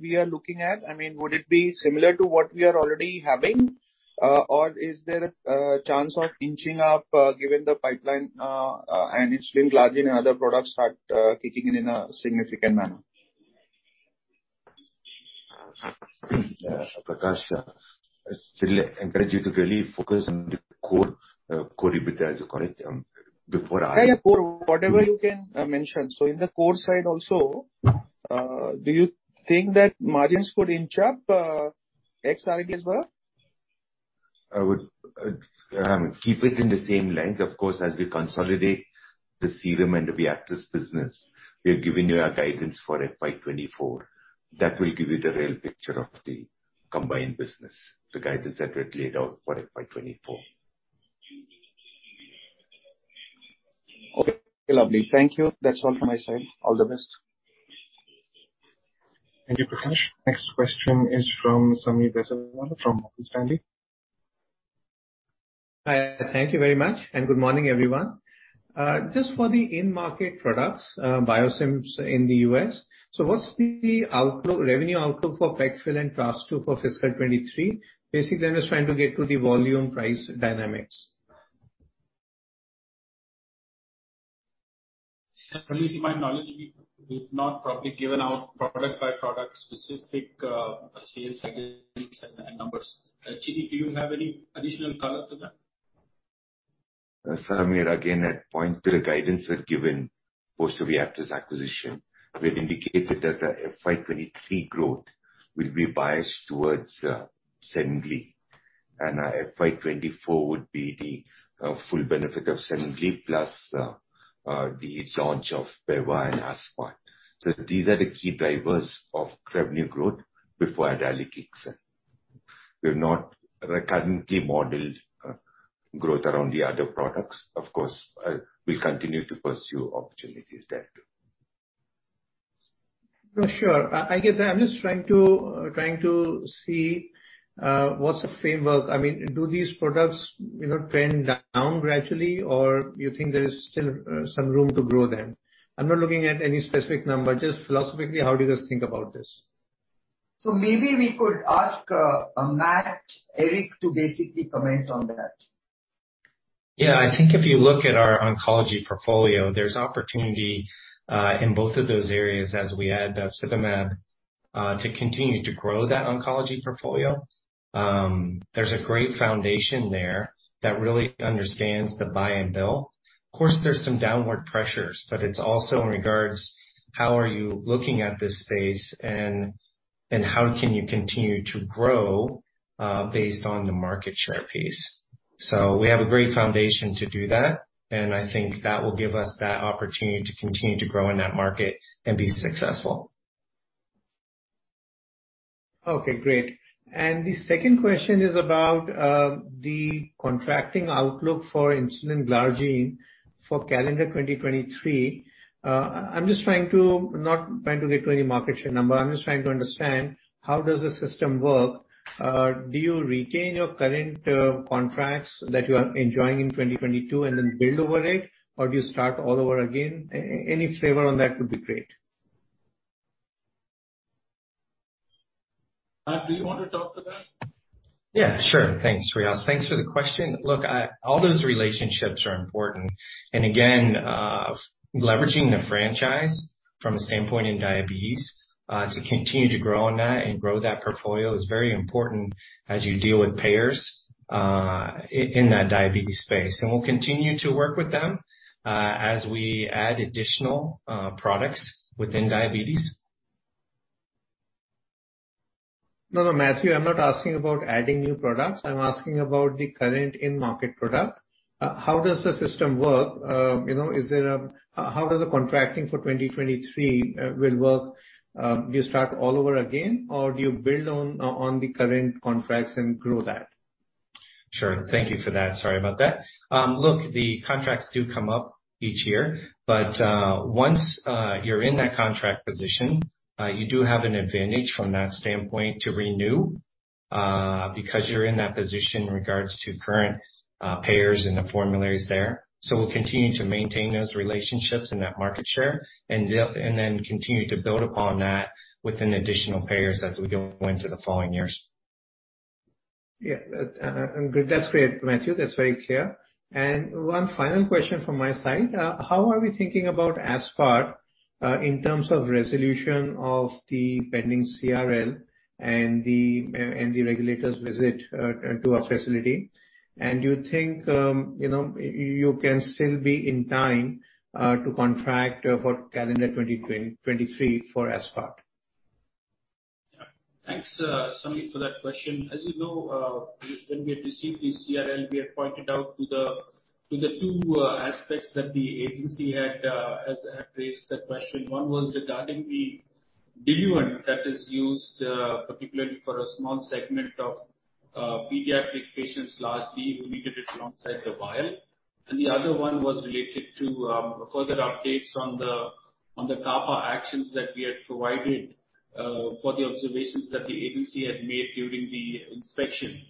we are looking at? I mean, would it be similar to what we are already having? Or is there a chance of inching up, given the pipeline, and insulin Glargine and other products start kicking in a significant manner? Prakash, still encourage you to really focus on the core EBITDA, as you call it, before R&D. Yeah, yeah. Whatever you can mention. In the core side also, do you think that margins could inch up, ex R&D as well? I would keep it in the same length. Of course, as we consolidate the Serum and the Viatris business, we are giving you our guidance for FY 2024. That will give you the real picture of the combined business, the guidance that we have laid out for FY 2024. Okay. Lovely. Thank you. That's all from my side. All the best. Thank you, Prakash. Next question is from Sameer Baisiwala from Morgan Stanley. Hi. Thank you very much, and good morning, everyone. Just for the in-market products, biosims in the US, what's the outlook, revenue outlook for Fulphila and Ogivri for fiscal 2023? Basically, I'm just trying to get to the volume price dynamics. To the best of my knowledge, we've not probably given out product by product specific sales guidance and numbers. Chinni, do you have any additional color to that? Sameer, again, at point where guidance was given post the Viatris acquisition, we've indicated that the FY23 growth will be biased towards Semglee. FY24 would be the full benefit of Semglee plus the launch of bevacizumab and Aspart. These are the key drivers of revenue growth before adalimumab kicks in. We've not currently modeled growth around the other products. Of course, we'll continue to pursue opportunities there too. No, sure. I get that. I'm just trying to see what's the framework. I mean, do these products, you know, trend down gradually, or you think there is still some room to grow them? I'm not looking at any specific number. Just philosophically, how do you guys think about this? Maybe we could ask Matt Erick to basically comment on that. Yeah. I think if you look at our oncology portfolio, there's opportunity in both of those areas as we add Dofotamab to continue to grow that oncology portfolio. There's a great foundation there that really understands the buy and bill. Of course, there's some downward pressures, but it's also in regards how are you looking at this space and how can you continue to grow based on the market share piece. We have a great foundation to do that, and I think that will give us that opportunity to continue to grow in that market and be successful. Okay, great. The second question is about the contracting outlook for insulin Glargine for calendar 2023. I'm just trying to not trying to get to any market share number. I'm just trying to understand how does the system work. Do you retain your current contracts that you are enjoying in 2022 and then build over it, or do you start all over again? Any flavor on that would be great. Matt, do you want to talk to that? Yeah, sure. Thanks, Riaz. Thanks for the question. Look, all those relationships are important. Again, leveraging the franchise from a standpoint in diabetes, to continue to grow on that and grow that portfolio is very important as you deal with payers, in that diabetes space. We'll continue to work with them, as we add additional products within diabetes. No, no, Matthew, I'm not asking about adding new products. I'm asking about the current in-market product. How does the system work? You know, how does the contracting for 2023 will work? Do you start all over again, or do you build on the current contracts and grow that? Sure. Thank you for that. Sorry about that. Look, the contracts do come up each year. Once you're in that contract position, you do have an advantage from that standpoint to renew, because you're in that position in regards to current payers and the formularies there. We'll continue to maintain those relationships and that market share and build, and then continue to build upon that with an additional payers as we go into the following years. Yeah, good. That's great, Matthew. That's very clear. One final question from my side. How are we thinking about Aspart in terms of resolution of the pending CRL and the regulator's visit to our facility? You think, you know, you can still be in time to contract for calendar 2023 for Aspart? Yeah. Thanks, Sameer, for that question. As you know, when we had received the CRL, we had pointed out to the two aspects that the agency had raised a question. One was regarding the diluent that is used, particularly for a small segment of pediatric patients, largely we needed it alongside the vial. The other one was related to further updates on the CAPA actions that we had provided for the observations that the agency had made during the inspection.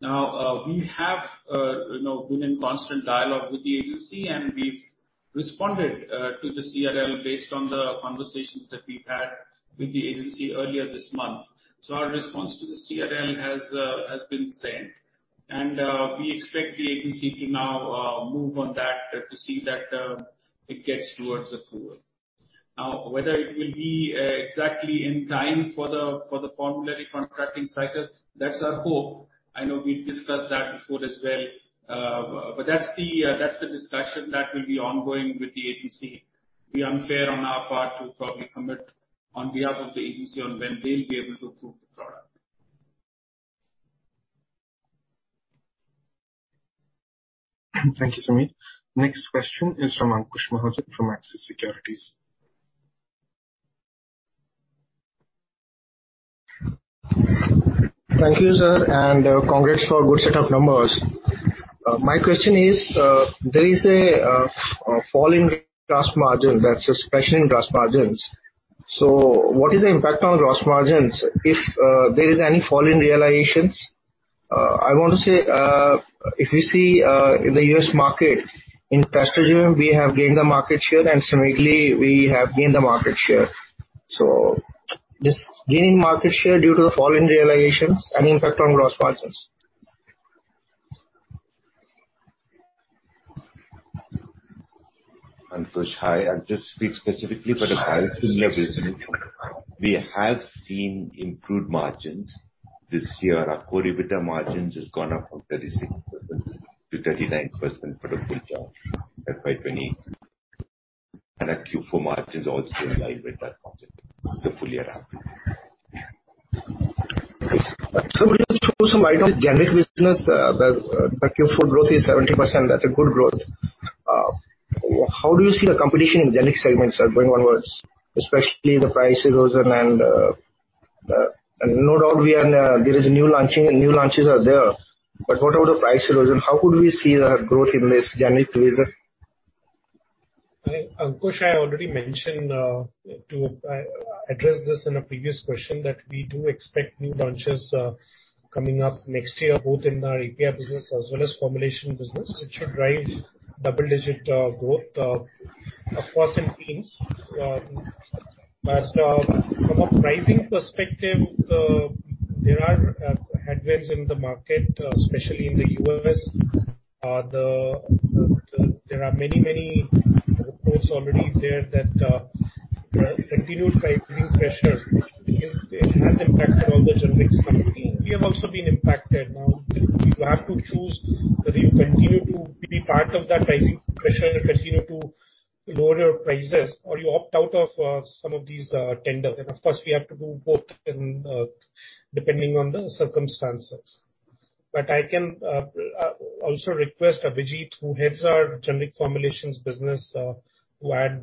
Now, we have, you know, been in constant dialogue with the agency, and we've responded to the CRL based on the conversations that we've had with the agency earlier this month. Our response to the CRL has been sent. We expect the agency to now move on that to see that it gets towards approval. Now, whether it will be exactly in time for the formulary contracting cycle, that's our hope. I know we've discussed that before as well. But that's the discussion that will be ongoing with the agency. It'd be unfair on our part to probably commit on behalf of the agency on when they'll be able to approve the product. Thank you, Sameer. Next question is from Ankush Mahajan, from Axis Securities. Thank you, sir, and congrats for good set of numbers. My question is, there is a fall in gross margin. That's especially in gross margins. What is the impact on gross margins if there is any fall in realizations? I want to say, if you see, in the US market, in Fulphila we have gained the market share, and Semglee we have gained the market share. This gaining market share due to the fall in realizations, any impact on gross margins? Ankush, hi. I'll just speak specifically for the biopharmaceutical business. We have seen improved margins this year. Our core EBITDA margins has gone up from 36%-39% for the full year, 520. Our Q4 margin is also in line with that margin for the full year. We just go through some items, generic business, the Q4 growth is 70%. That's a good growth. How do you see the competition in generic segments are going onwards, especially the price erosion? No doubt there is new launching, and new launches are there, but what about the price erosion? How could we see the growth in this generic division? I think, Ankush, I already mentioned to address this in a previous question that we do expect new launches coming up next year, both in our API business as well as formulation business. It should drive double-digit growth, of course, in teens. From a pricing perspective, there are headwinds in the market, especially in the U.S. There are many reports already there that there are continued pricing pressure. It has impacted all the generic companies. We have also been impacted. Now, you have to choose whether you continue to be part of that pricing pressure and continue to lower your prices, or you opt out of some of these tenders. Of course, we have to do both and depending on the circumstances. I can also request Abhijit, who heads our generic formulations business, to add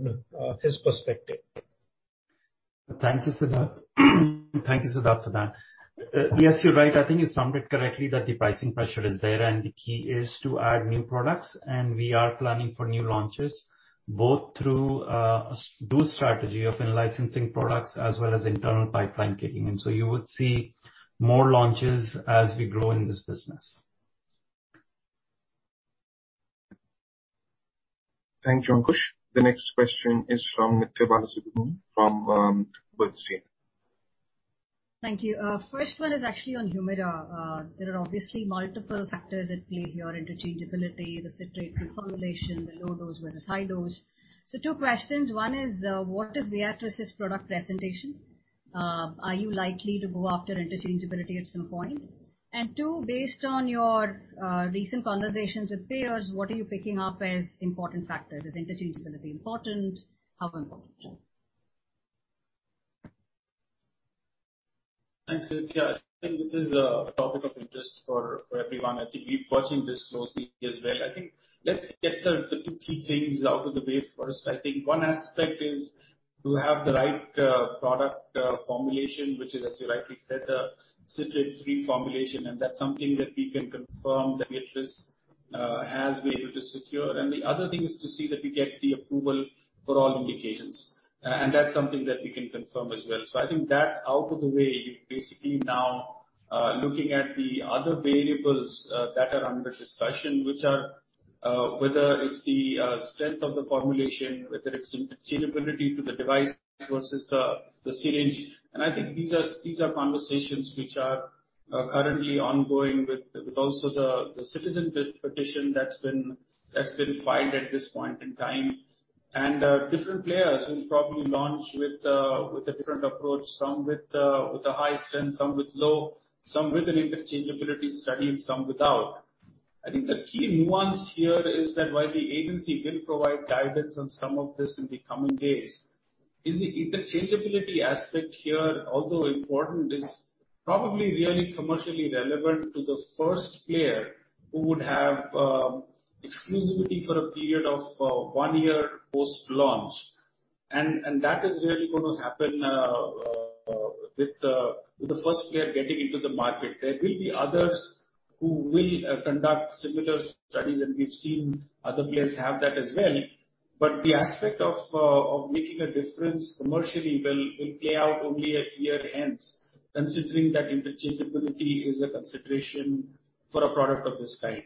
his perspective. Thank you, Siddharth, for that. Yes, you're right. I think you summed it up correctly that the pricing pressure is there, and the key is to add new products. We are planning for new launches, both through strategy of licensing products as well as internal pipeline kicking in. You would see more launches as we grow in this business. Thank you, Ankush. The next question is from Nithya Balasubramanian from Bloomberg LP. Thank you. First one is actually on Humira. There are obviously multiple factors at play here, interchangeability, the citrate-free formulation, the low dose versus high dose. Two questions. One is, what is Viatris' product presentation? Are you likely to go after interchangeability at some point? Two, based on your recent conversations with payers, what are you picking up as important factors? Is interchangeability important? How important? Thanks, Nithya. I think this is a topic of interest for everyone. I think we're watching this closely as well. I think let's get the two key things out of the way first. I think one aspect is to have the right product formulation, which is, as you rightly said, a citrate-free formulation. That's something that we can confirm that Viatris has been able to secure. The other thing is to see that we get the approval for all indications. That's something that we can confirm as well. I think that out of the way, basically now, looking at the other variables that are under discussion, which are whether it's the strength of the formulation, whether it's interchangeability to the device versus the syringe. I think these are conversations which are currently ongoing with also the citizen petition that's been filed at this point in time. Different players will probably launch with a different approach. Some with a high strength, some with low, some with an interchangeability study and some without. I think the key nuance here is that while the agency will provide guidance on some of this in the coming days, is the interchangeability aspect here, although important, is probably really commercially relevant to the first player who would have exclusivity for a period of one year post-launch. That is really gonna happen with the first player getting into the market. There will be others who will conduct similar studies, and we've seen other players have that as well. The aspect of making a difference commercially will play out only at year-ends, considering that interchangeability is a consideration for a product of this kind.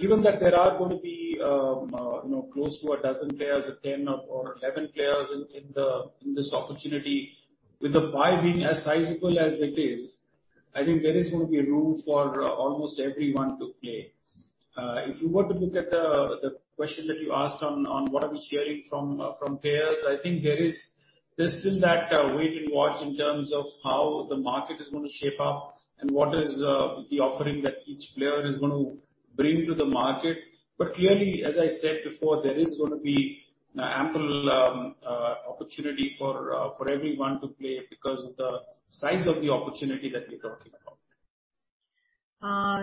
Given that there are going to be, you know, close to a dozen players or ten or eleven players in the opportunity, with the pie being as sizable as it is, I think there is gonna be room for almost everyone to play. If you were to look at the question that you asked on what are we hearing from players, I think there is still that wait and watch in terms of how the market is gonna shape up and what is the offering that each player is gonna bring to the market. Clearly, as I said before, there is gonna be ample opportunity for everyone to play because of the size of the opportunity that we're talking about.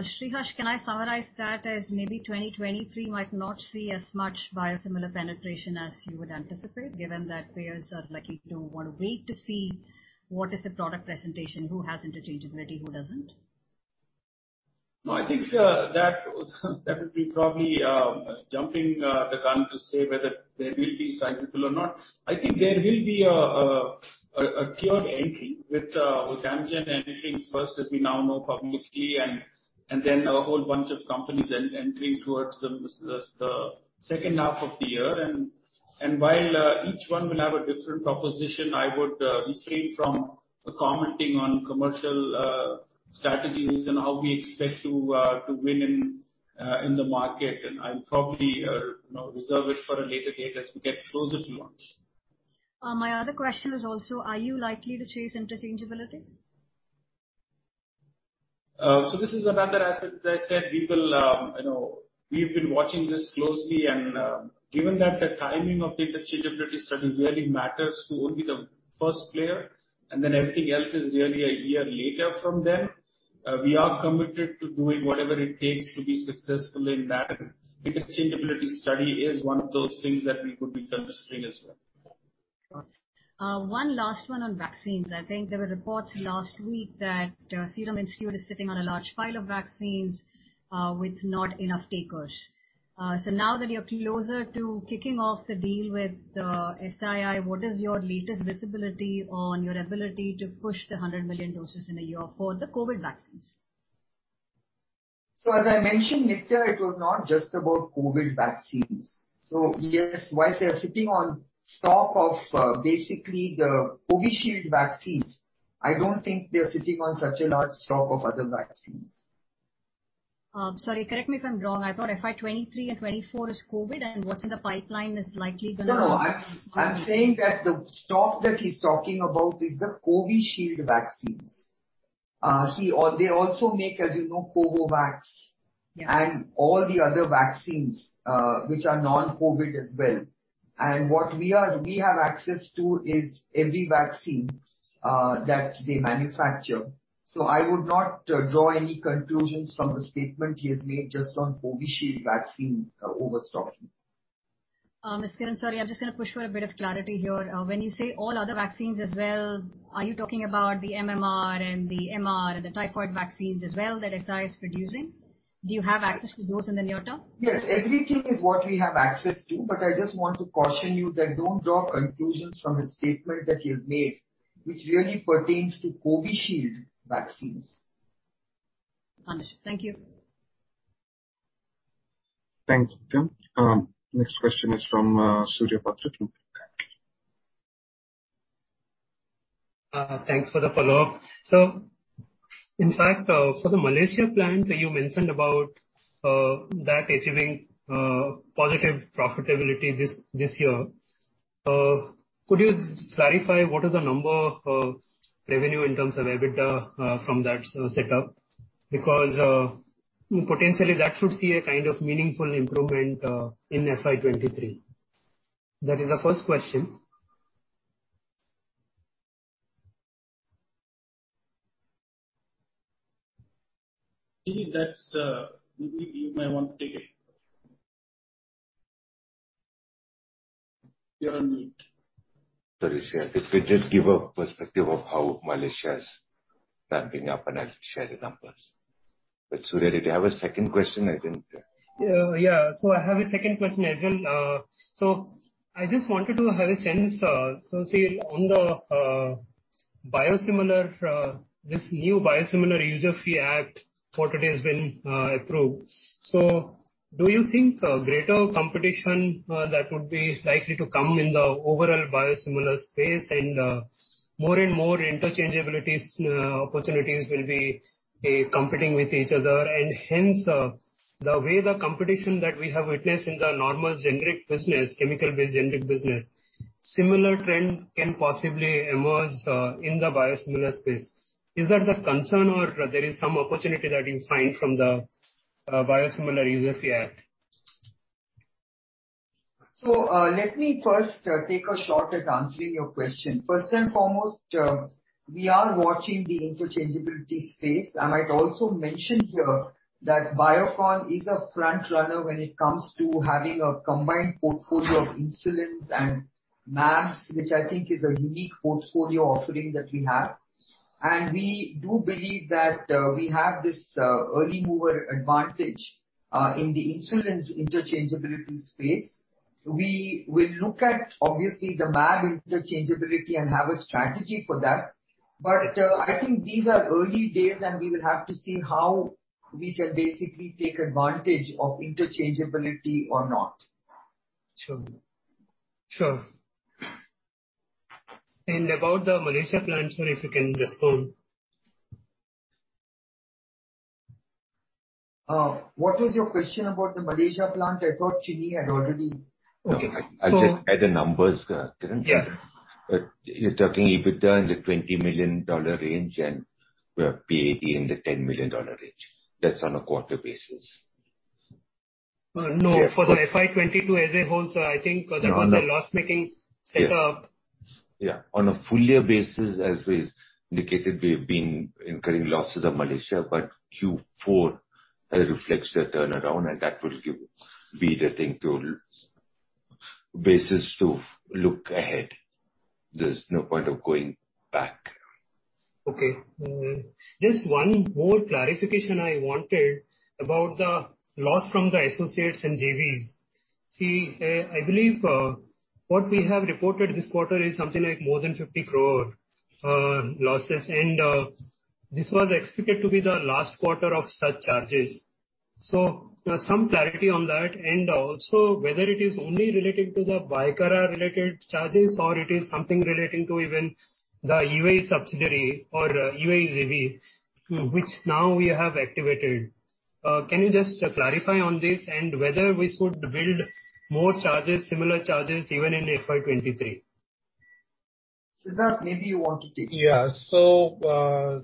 Shreehas, can I summarize that as maybe 2023 might not see as much biosimilar penetration as you would anticipate, given that players are likely to wanna wait to see what is the product presentation, who has interchangeability, who doesn't? No, I think that would be probably jumping the gun to say whether there will be sizable or not. I think there will be a tiered entry with Amgen entering first, as we now know publicly, and then a whole bunch of companies entering towards the second half of the year. While each one will have a different proposition, I would refrain from commenting on commercial strategies and how we expect to win in the market. I'll probably, you know, reserve it for a later date as we get closer to launch. My other question was also, are you likely to chase interchangeability? This is another aspect. As I said, we will, you know, we've been watching this closely and, given that the timing of the interchangeability study really matters to only the first player, and then everything else is really a year later from them, we are committed to doing whatever it takes to be successful in that. Interchangeability study is one of those things that we could be considering as well. One last one on vaccines. I think there were reports last week that Serum Institute is sitting on a large pile of vaccines with not enough takers. Now that you're closer to kicking off the deal with SII, what is your latest visibility on your ability to push the 100 million doses in a year for the COVID vaccines? As I mentioned, Nithya, it was not just about COVID vaccines. Yes, while they are sitting on stock of, basically the Covishield vaccines, I don't think they are sitting on such a large stock of other vaccines. Sorry, correct me if I'm wrong. I thought FY23 and FY24 is COVID, and what's in the pipeline is likely gonna- No, no, I'm saying that the stock that he's talking about is the Covishield vaccines. They also make, as you know, Covovax. Yeah. All the other vaccines, which are non-COVID as well. What we are, we have access to is every vaccine, that they manufacture. I would not draw any conclusions from the statement he has made just on Covishield vaccine, overstocking. Sorry, I'm just gonna push for a bit of clarity here. When you say all other vaccines as well, are you talking about the MMR and the MR and the typhoid vaccines as well that SII is producing? Do you have access to those in the near term? Yes, everything is what we have access to, but I just want to caution you that don't draw conclusions from the statement that he has made, which really pertains to Covishield vaccines. Understood. Thank you. Thanks, Nithya. Next question is from Surya Patra from Bank of America. Thanks for the follow-up. In fact, for the Malaysia plant, you mentioned about that achieving positive profitability this year. Could you clarify what is the number of revenue in terms of EBITDA from that setup? Because potentially that should see a kind of meaningful improvement in FY 2023. That is the first question. Nithya, that's, maybe you may want to take it. You're on mute. Sorry, Shreehas. If we just give a perspective of how Malaysia is ramping up, and I'll share the numbers. Surya, did you have a second question? I didn't. Yeah. I have a second question as well. I just wanted to have a sense, so say on the biosimilar, this new Biosimilar User Fee Act, what it has been approved. Do you think a greater competition that would be likely to come in the overall biosimilar space and more and more interchangeabilities opportunities will be competing with each other? Hence, the way the competition that we have witnessed in the normal generic business, chemical-based generic business, similar trend can possibly emerge in the biosimilar space. Is that the concern or there is some opportunity that you find from the Biosimilar User Fee Act? Let me first take a shot at answering your question. First and foremost, we are watching the interchangeability space. I might also mention here that Biocon is a frontrunner when it comes to having a combined portfolio of insulins and mAbs, which I think is a unique portfolio offering that we have. We do believe that we have this early mover advantage in the insulins interchangeability space. We will look at obviously the mAbs interchangeability and have a strategy for that. I think these are early days, and we will have to see how we can basically take advantage of interchangeability or not. Sure. About the Malaysia plant, sir, if you can respond. What was your question about the Malaysia plant? I thought Chinni had already. Okay. No, I'll just add the numbers, Kiran. Yeah. You're talking EBITDA in the $20 million range and PAT in the $10 million range. That's on a quarter basis. No. Yes. For the FY 22 as a whole, sir, I think. No, on the. That was a loss-making setup. On a full year basis, as we indicated, we've been incurring losses in Malaysia, but Q4 reflects the turnaround, and that will be the basis to look ahead. There's no point in going back. Okay. Just one more clarification I wanted about the loss from the associates and JVs. See, I believe what we have reported this quarter is something like more than 50 crore losses. This was expected to be the last quarter of such charges. Some clarity on that, and also whether it is only related to the Bicara-related charges or it is something relating to even the UAE subsidiary or UAE JV, which now we have activated. Can you just clarify on this and whether we should build more charges, similar charges, even in FY 2023? Siddharth, maybe you want to take this. Yeah, Surya,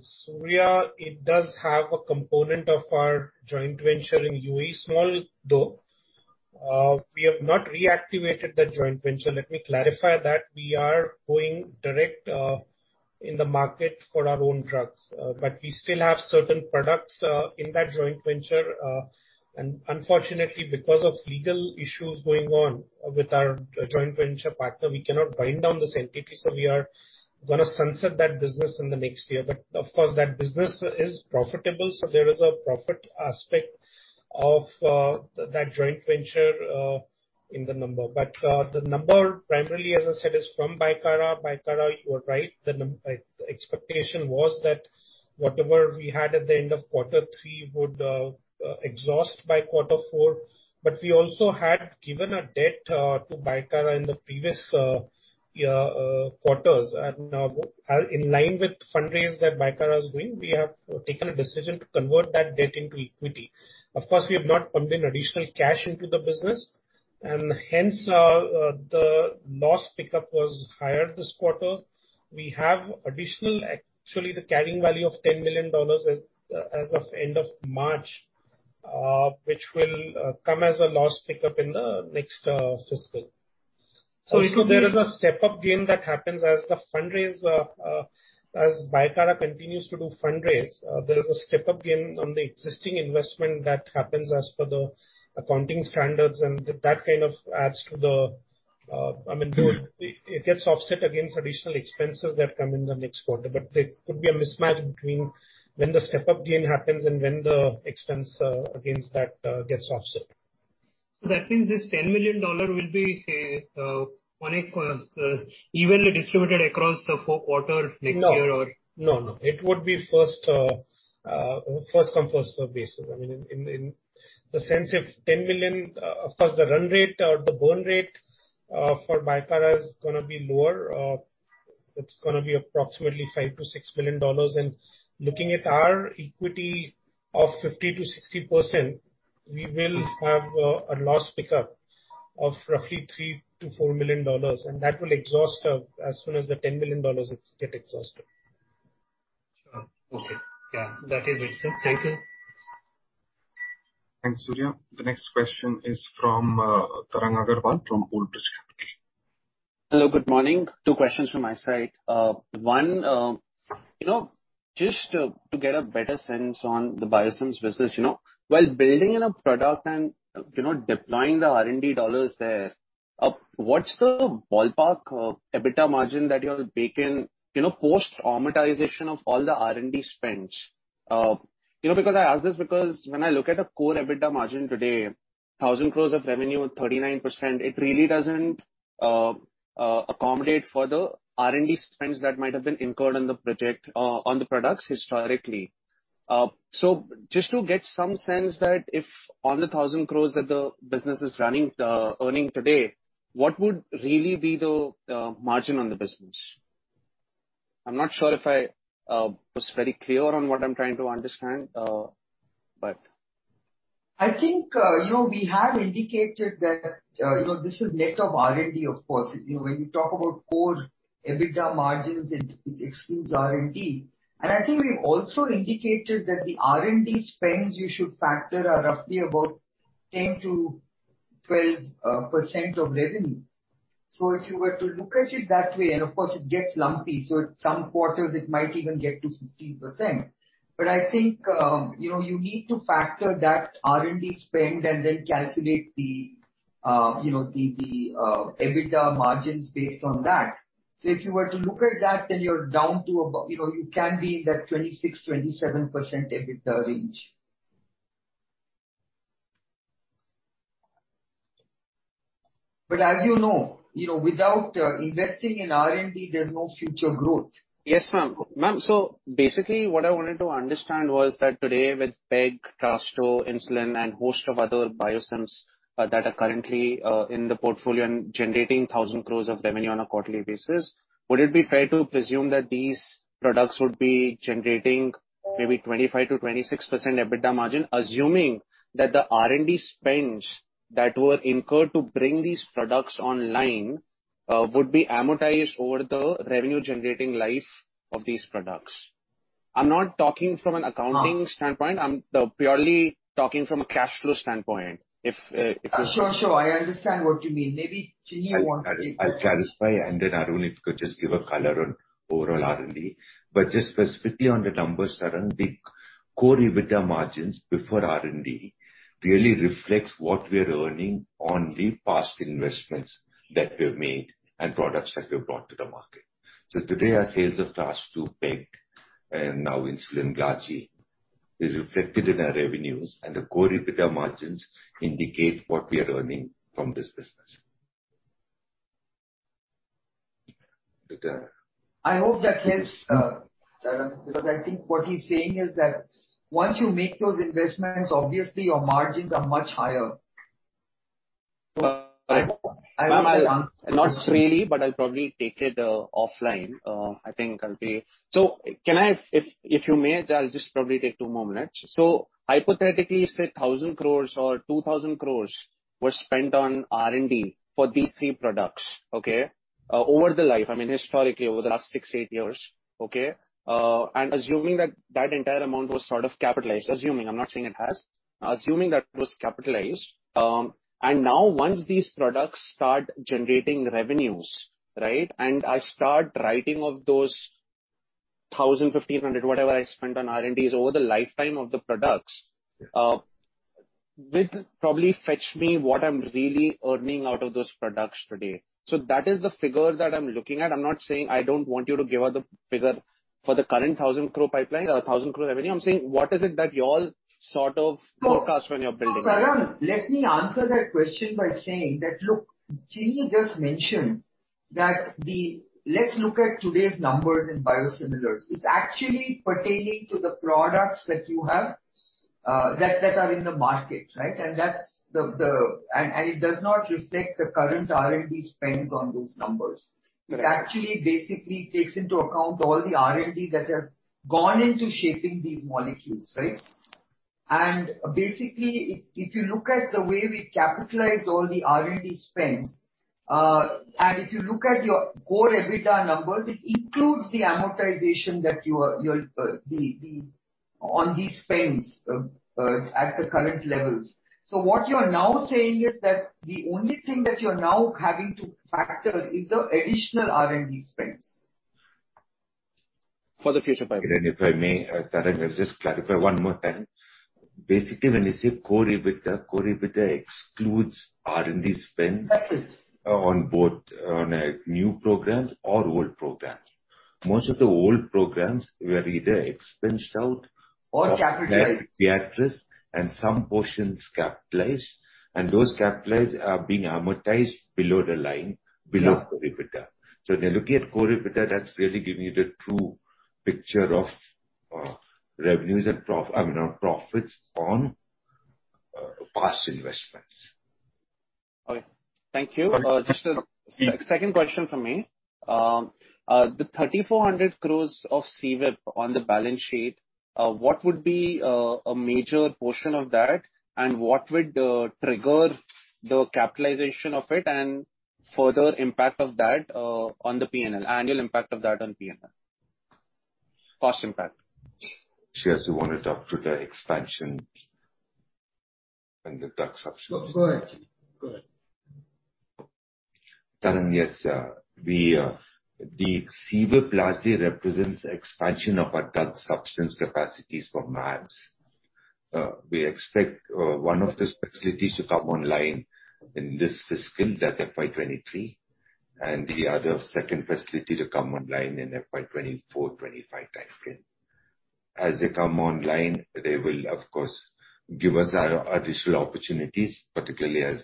it does have a component of our joint venture in UAE, small though. We have not reactivated that joint venture. Let me clarify that. We are going direct in the market for our own drugs. But we still have certain products in that joint venture. Unfortunately, because of legal issues going on with our joint venture partner, we cannot wind down this entity, so we are gonna sunset that business in the next year. Of course, that business is profitable, so there is a profit aspect of that joint venture in the number. The number primarily, as I said, is from Bicara. Bicara, you are right. The expectation was that whatever we had at the end of quarter three would exhaust by quarter four. We also had given a debt to Bicara in the previous quarters. In line with fundraising that Bicara is doing, we have taken a decision to convert that debt into equity. Of course, we have not pumped in additional cash into the business, and hence, the loss pickup was higher this quarter. We have, actually, the carrying value of $10 million as of end of March, which will come as a loss pickup in the next fiscal. It could be. There is a step-up gain that happens as the fundraise, as Bicara continues to do fundraise. There is a step-up gain on the existing investment that happens as per the accounting standards and that kind of adds to the, I mean, the- Mm-hmm. It gets offset against additional expenses that come in the next quarter, but there could be a mismatch between when the step-up gain happens and when the expense against that gets offset. That means this $10 million will be evenly distributed across the four quarters next year or- No. It would be first come, first serve basis. I mean, in the sense if 10 million, of course, the run rate or the burn rate for Bicara is gonna be lower. It's gonna be approximately $5 million-$6 million. Looking at our equity of 50%-60%, we will have a loss pickup of roughly $3 million-$4 million, and that will exhaust as soon as the $10 million gets exhausted. Sure. Okay. Yeah. That is it, sir. Thank you. Thanks, Surya. The next question is from Tarang Agrawal from Old Bridge Capital. Hello, good morning. Two questions from my side. One, you know, just to get a better sense on the biosimilars business, you know. While building in a product and, you know, deploying the R&D dollars there, what's the ballpark EBITDA margin that you'll bake in, you know, post-amortization of all the R&D spends? You know, because I ask this because when I look at a core EBITDA margin today, 1,000 crores of revenue and 39%, it really doesn't accommodate for the R&D spends that might have been incurred on the project, on the products historically. Just to get some sense that if on the 1,000 crores that the business is running, earning today, what would really be the margin on the business? I'm not sure if I was very clear on what I'm trying to understand, but. I think, you know, we have indicated that, you know, this is net of R&D of course. You know, when you talk about core EBITDA margins, it excludes R&D. I think we also indicated that the R&D spends you should factor are roughly about 10%-12% of revenue. If you were to look at it that way, and of course it gets lumpy, so some quarters it might even get to 15%. I think, you know, you need to factor that R&D spend and then calculate the, you know, the EBITDA margins based on that. If you were to look at that, then you're down to about 26%-27% EBITDA range. As you know, you know, without investing in R&D, there's no future growth. Yes, ma'am. Ma'am, basically what I wanted to understand was that today with Peg, trastuzumab, Insulin and a host of other biosims, that are currently in the portfolio and generating 1,000 crore of revenue on a quarterly basis, would it be fair to presume that these products would be generating maybe 25%-26% EBITDA margin, assuming that the R&D spends that were incurred to bring these products online, would be amortized over the revenue generating life of these products? I'm not talking from an accounting standpoint. Uh- I'm purely talking from a cash flow standpoint. If it's- Sure, sure. I understand what you mean. Maybe Chinni wants to take this. I'll clarify, and then Arun if you could just give a color on overall R&D. Just specifically on the numbers, Tarang, the core EBITDA margins before R&D really reflects what we're earning on the past investments that we've made and products that we've brought to the market. Today our sales of trastuzumab, Peg and now insulin Glargine is reflected in our revenues and the core EBITDA margins indicate what we are earning from this business. With that. I hope that helps, Tarang, because I think what he's saying is that once you make those investments, obviously your margins are much higher. I hope I answered. Not really, but I'll probably take it offline. I think I'll be. Can I, if you may, just probably take two more minutes. Hypothetically, say 1,000 crore or 2,000 crore were spent on R&D for these three products, okay? Over the life, I mean, historically, over the last six, eight years, okay? Assuming that entire amount was sort of capitalized. Assuming, I'm not saying it has. Assuming that was capitalized, and now once these products start generating revenues, right? I start writing off those 1,000, 1,500, whatever I spent on R&Ds over the lifetime of the products, will it probably fetch me what I'm really earning out of those products today? That is the figure that I'm looking at. I'm not saying I don't want you to give out the figure for the current 1,000 crore pipeline or 1,000 crore revenue. I'm saying what is it that you all sort of forecast when you're building it? Tarang, let me answer that question by saying that, look, Chinni just mentioned that. Let's look at today's numbers in biosimilars. It's actually pertaining to the products that you have that are in the market, right? It does not reflect the current R&D spends on those numbers. Right. It actually basically takes into account all the R&D that has gone into shaping these molecules, right? Basically, if you look at the way we capitalized all the R&D spends, and if you look at your core EBITDA numbers, it includes the amortization on these spends at the current levels. What you are now saying is that the only thing that you're now having to factor is the additional R&D spends. For the future pipeline. If I may, Tarang, I'll just clarify one more time. Basically, when you say core EBITDA, core EBITDA excludes R&D spends. Exactly. On both new programs or old programs. Most of the old programs were either expensed out- Capitalized. Treated as such and some portions capitalized, and those capitalized are being amortized below the line, below core EBITDA. When you look at core EBITDA, that's really giving you the true picture of revenues and I mean, profits on past investments. Okay. Thank you. Just a second question from me. The 3,400 crore of CWIP on the balance sheet, what would be a major portion of that? And what would trigger the capitalization of it and further impact of that on the P&L, annual impact of that on P&L? Cost impact. Shreehas, you wanna talk through the expansion and the drug substance capacity? Go ahead. Go ahead. Tarang, yes. The CWIP largely represents expansion of our drug substance capacities for mAbs. We expect one of these facilities to come online in this fiscal, that FY 2023, and the other second facility to come online in FY 2024-2025 timeframe. As they come online, they will of course give us additional opportunities, particularly as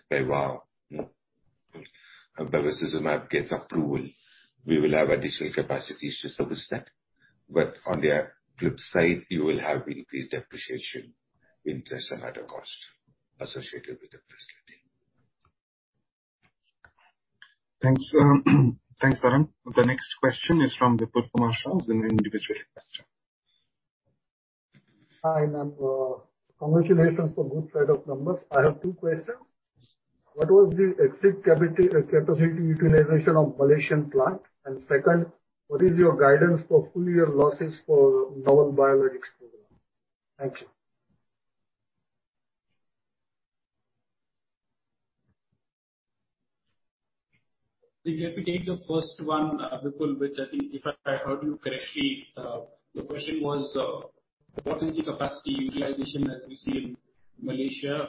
bevacizumab gets approval. We will have additional capacities to service that. On the flip side, you will have increased depreciation, interest and other costs associated with the facility. Thanks, Varun. The next question is from Vipul Kumar Shah, an individual investor. Hi, congratulations for good set of numbers. I have two questions. What was the capacity utilization of Malaysian plant? Second, what is your guidance for full-year losses for novel biologics program? Thank you. Let me take the first one, Vipul, which I think if I heard you correctly, the question was, what is the capacity utilization as we see in Malaysia?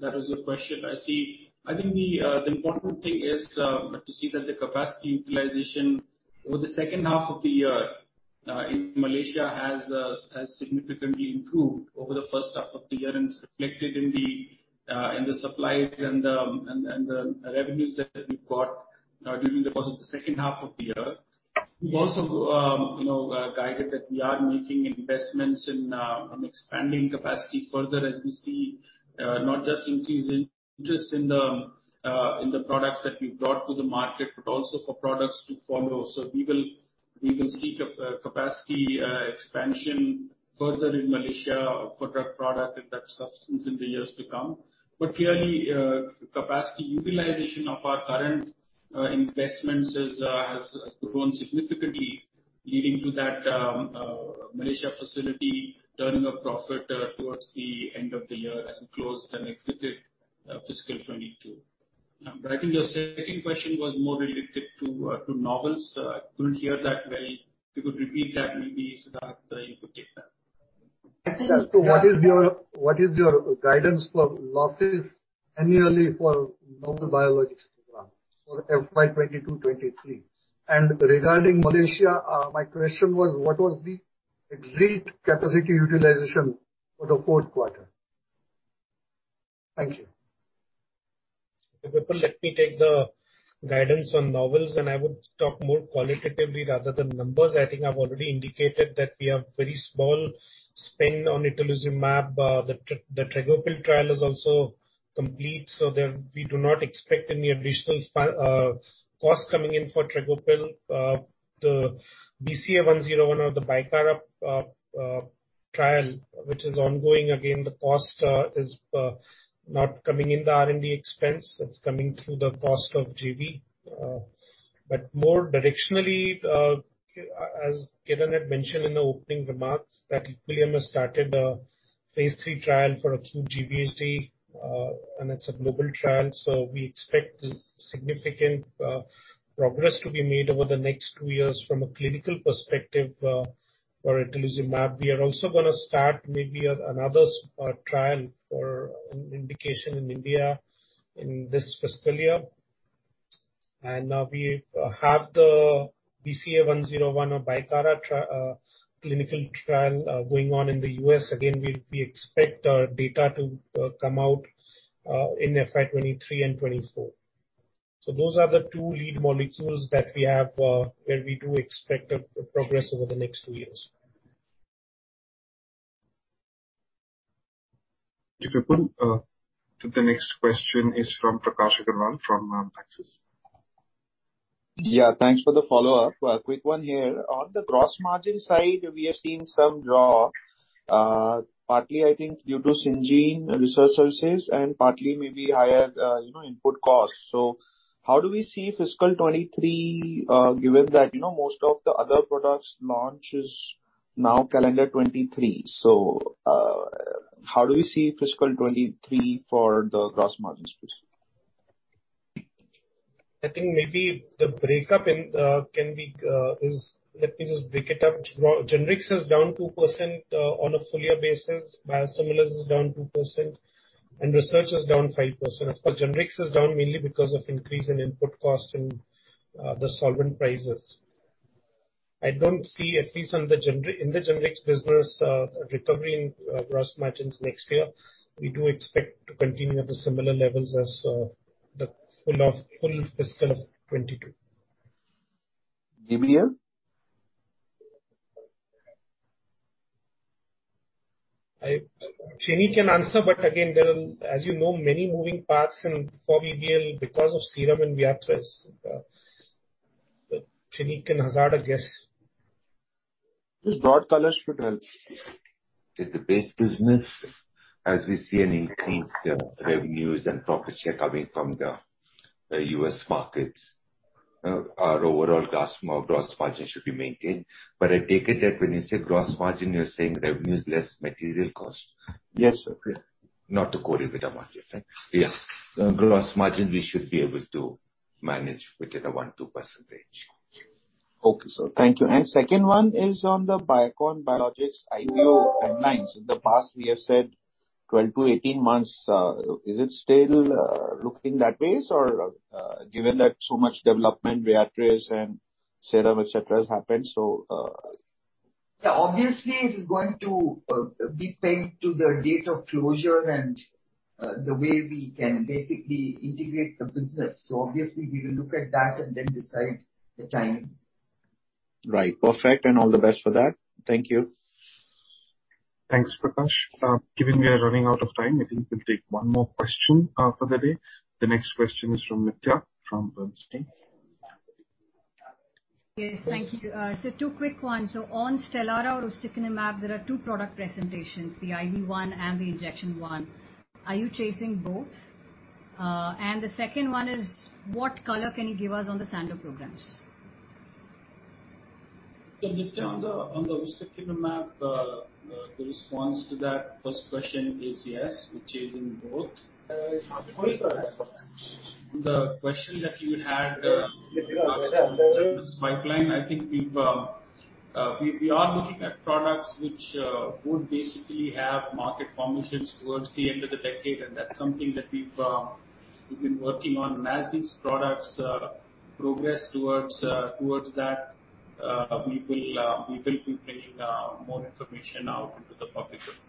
That was your question. I see. I think the important thing is, to see that the capacity utilization over the second half of the year, in Malaysia has significantly improved over the first half of the year and is reflected in the supplies and the revenues that we've got, during the course of the second half of the year. We've also, you know, guided that we are making investments in, expanding capacity further as we see, not just increased interest in the products that we've brought to the market, but also for products to follow. We will seek capacity expansion further in Malaysia for that product and that substance in the years to come. Clearly, capacity utilization of our current investments has grown significantly, leading to that Malaysia facility turning a profit towards the end of the year as we closed and exited fiscal 2022. I think your second question was more related to novel. Couldn't hear that very. If you could repeat that maybe, Siddharth, you could take that. I think what is your guidance for losses annually for novel biologics program for FY22-FY23? Regarding Malaysia, my question was what was the exit capacity utilization for the fourth quarter? Thank you. Vipul, let me take the guidance on novel, and I would talk more qualitatively rather than numbers. I think I've already indicated that we have very small spend on itolizumab. The tregopil trial is also complete, so there we do not expect any additional costs coming in for tregopil. The BCA101 or the Bicara trial, which is ongoing, again, the cost is not coming in the R&D expense. It's coming through the cost of JV. More directionally, as Kiran had mentioned in the opening remarks, that itolizumab started a phase three trial for acute GVHD, and it's a global trial, so we expect significant progress to be made over the next two years from a clinical perspective, for itolizumab. We are also gonna start maybe another trial for an indication in India in this fiscal year. We have the BCA101 or Bicara clinical trial going on in the US. Again, we expect our data to come out in FY 2023 and 2024. Those are the two lead molecules that we have where we do expect progress over the next two years. Vipul, the next question is from Prakash Agarwal from Axis. Yeah. Thanks for the follow-up. A quick one here. On the gross margin side, we are seeing some drop, partly I think due to Syngene research services and partly maybe higher, you know, input costs. How do we see fiscal 2023, given that, you know, most of the other products launch is now calendar 2023. How do we see fiscal 2023 for the gross margins please? Let me just break it up. Generics is down 2% on a full year basis, biosimilars is down 2%, and research is down 5%. Generics is down mainly because of increase in input costs and the solvent prices. I don't see, at least in the generics business, a recovery in gross margins next year. We do expect to continue at the similar levels as the full fiscal of 2022. BBL? Chinni can answer, but again, there are, as you know, many moving parts in BBL because of Serum and Viatris. Chinni can hazard a guess. Just broad colors should help. The base business, as we see an increased revenues and profit share coming from the US markets, our overall gross margin should be maintained. I take it that when you say gross margin, you're saying revenues less material costs. Yes, sir. Not to correlate with the market, right? Yes. Gross margin we should be able to manage within a 1%-2% range. Okay, sir. Thank you. Second one is on the Biocon Biologics IPO timelines. In the past we have said 12 months-18 months, is it still looking that way? Or, given that so much development, reactors, and setup, et cetera has happened? Yeah. Obviously it is going to be pegged to the date of closure and the way we can basically integrate the business. Obviously we will look at that and then decide the timing. Right. Perfect. All the best for that. Thank you. Thanks, Prakash. Given we are running out of time, I think we'll take one more question, for the day. The next question is from Nithya, from Bernstein. Yes. Thank you. Two quick ones. On Stelara or Ustekinumab, there are two product presentations, the IV one and the injection one. Are you chasing both? The second one is what color can you give us on the Sandoz programs? Nithya, on the ustekinumab, the response to that first question is yes, we're chasing both. The question that you had, pipeline, I think we are looking at products which would basically have market formations towards the end of the decade, and that's something that we've been working on. As these products progress towards that, we will be bringing more information out into the public domain.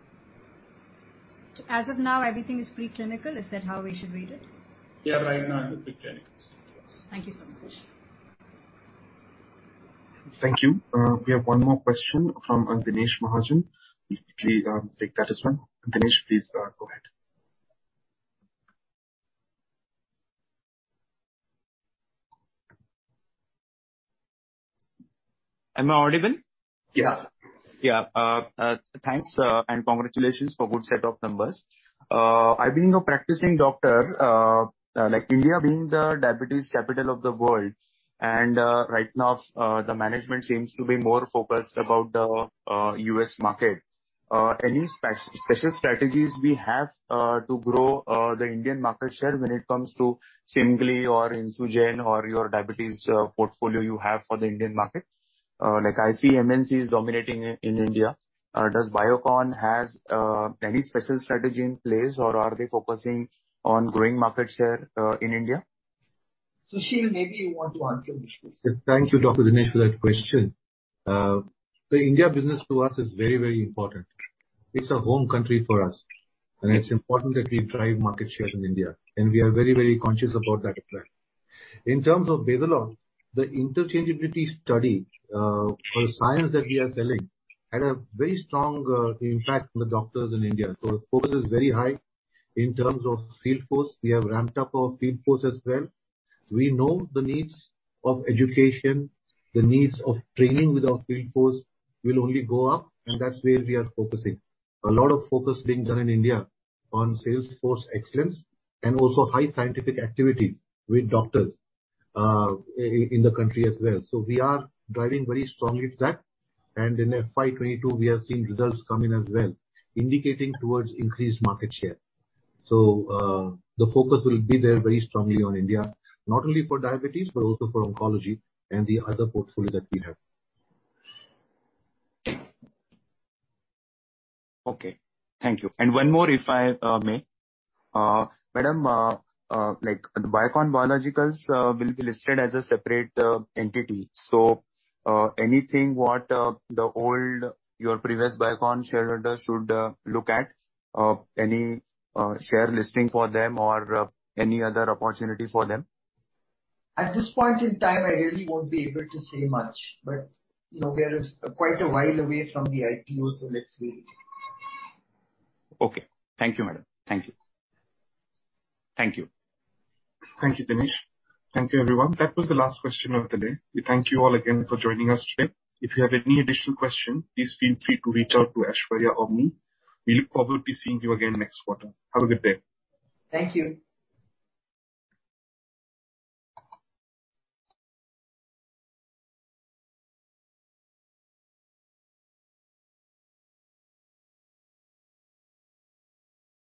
As of now, everything is pre-clinical. Is that how we should read it? Yeah, right now in the pre-clinical stage, yes. Thank you so much. Thank you. We have one more question from Dinesh Mahajan. We'll quickly take that as well. Dinesh, please, go ahead. Am I audible? Yeah. Yeah. Thanks, and congratulations for good set of numbers. I've been a practicing doctor, like India being the diabetes capital of the world and, right now, the management seems to be more focused about the U.S. market. Any special strategies we have to grow the Indian market share when it comes to Basalog or Insugen or your diabetes portfolio you have for the Indian market? Like I see MNCs dominating in India. Does Biocon has any special strategy in place, or are they focusing on growing market share in India? Susheel, maybe you want to answer this. Thank you, Dr. Dinesh, for that question. India business to us is very, very important. It's a home country for us, and it's important that we drive market share in India, and we are very, very conscious about that as well. In terms of Basalog, the interchangeability study, for the science that we are selling had a very strong impact on the doctors in India. The focus is very high in terms of field force. We have ramped up our field force as well. We know the needs of education, the needs of training with our field force will only go up, and that's where we are focusing. A lot of focus being done in India on sales force excellence and also high scientific activities with doctors, in the country as well. We are driving very strongly with that. In FY 2022 we are seeing results come in as well, indicating towards increased market share. The focus will be there very strongly on India, not only for diabetes, but also for oncology and the other portfolio that we have. Okay. Thank you. One more if I may. Madam, like the Biocon Biologics will be listed as a separate entity. Anything what the old, your previous Biocon shareholders should look at? Any share listing for them or any other opportunity for them? At this point in time, I really won't be able to say much, but, you know, we are quite a while away from the IPO, so let's wait. Okay. Thank you, madam. Thank you. Thank you, Dinesh. Thank you, everyone. That was the last question of the day. We thank you all again for joining us today. If you have any additional question, please feel free to reach out to Aishwarya or me. We look forward to seeing you again next quarter. Have a good day. Thank you.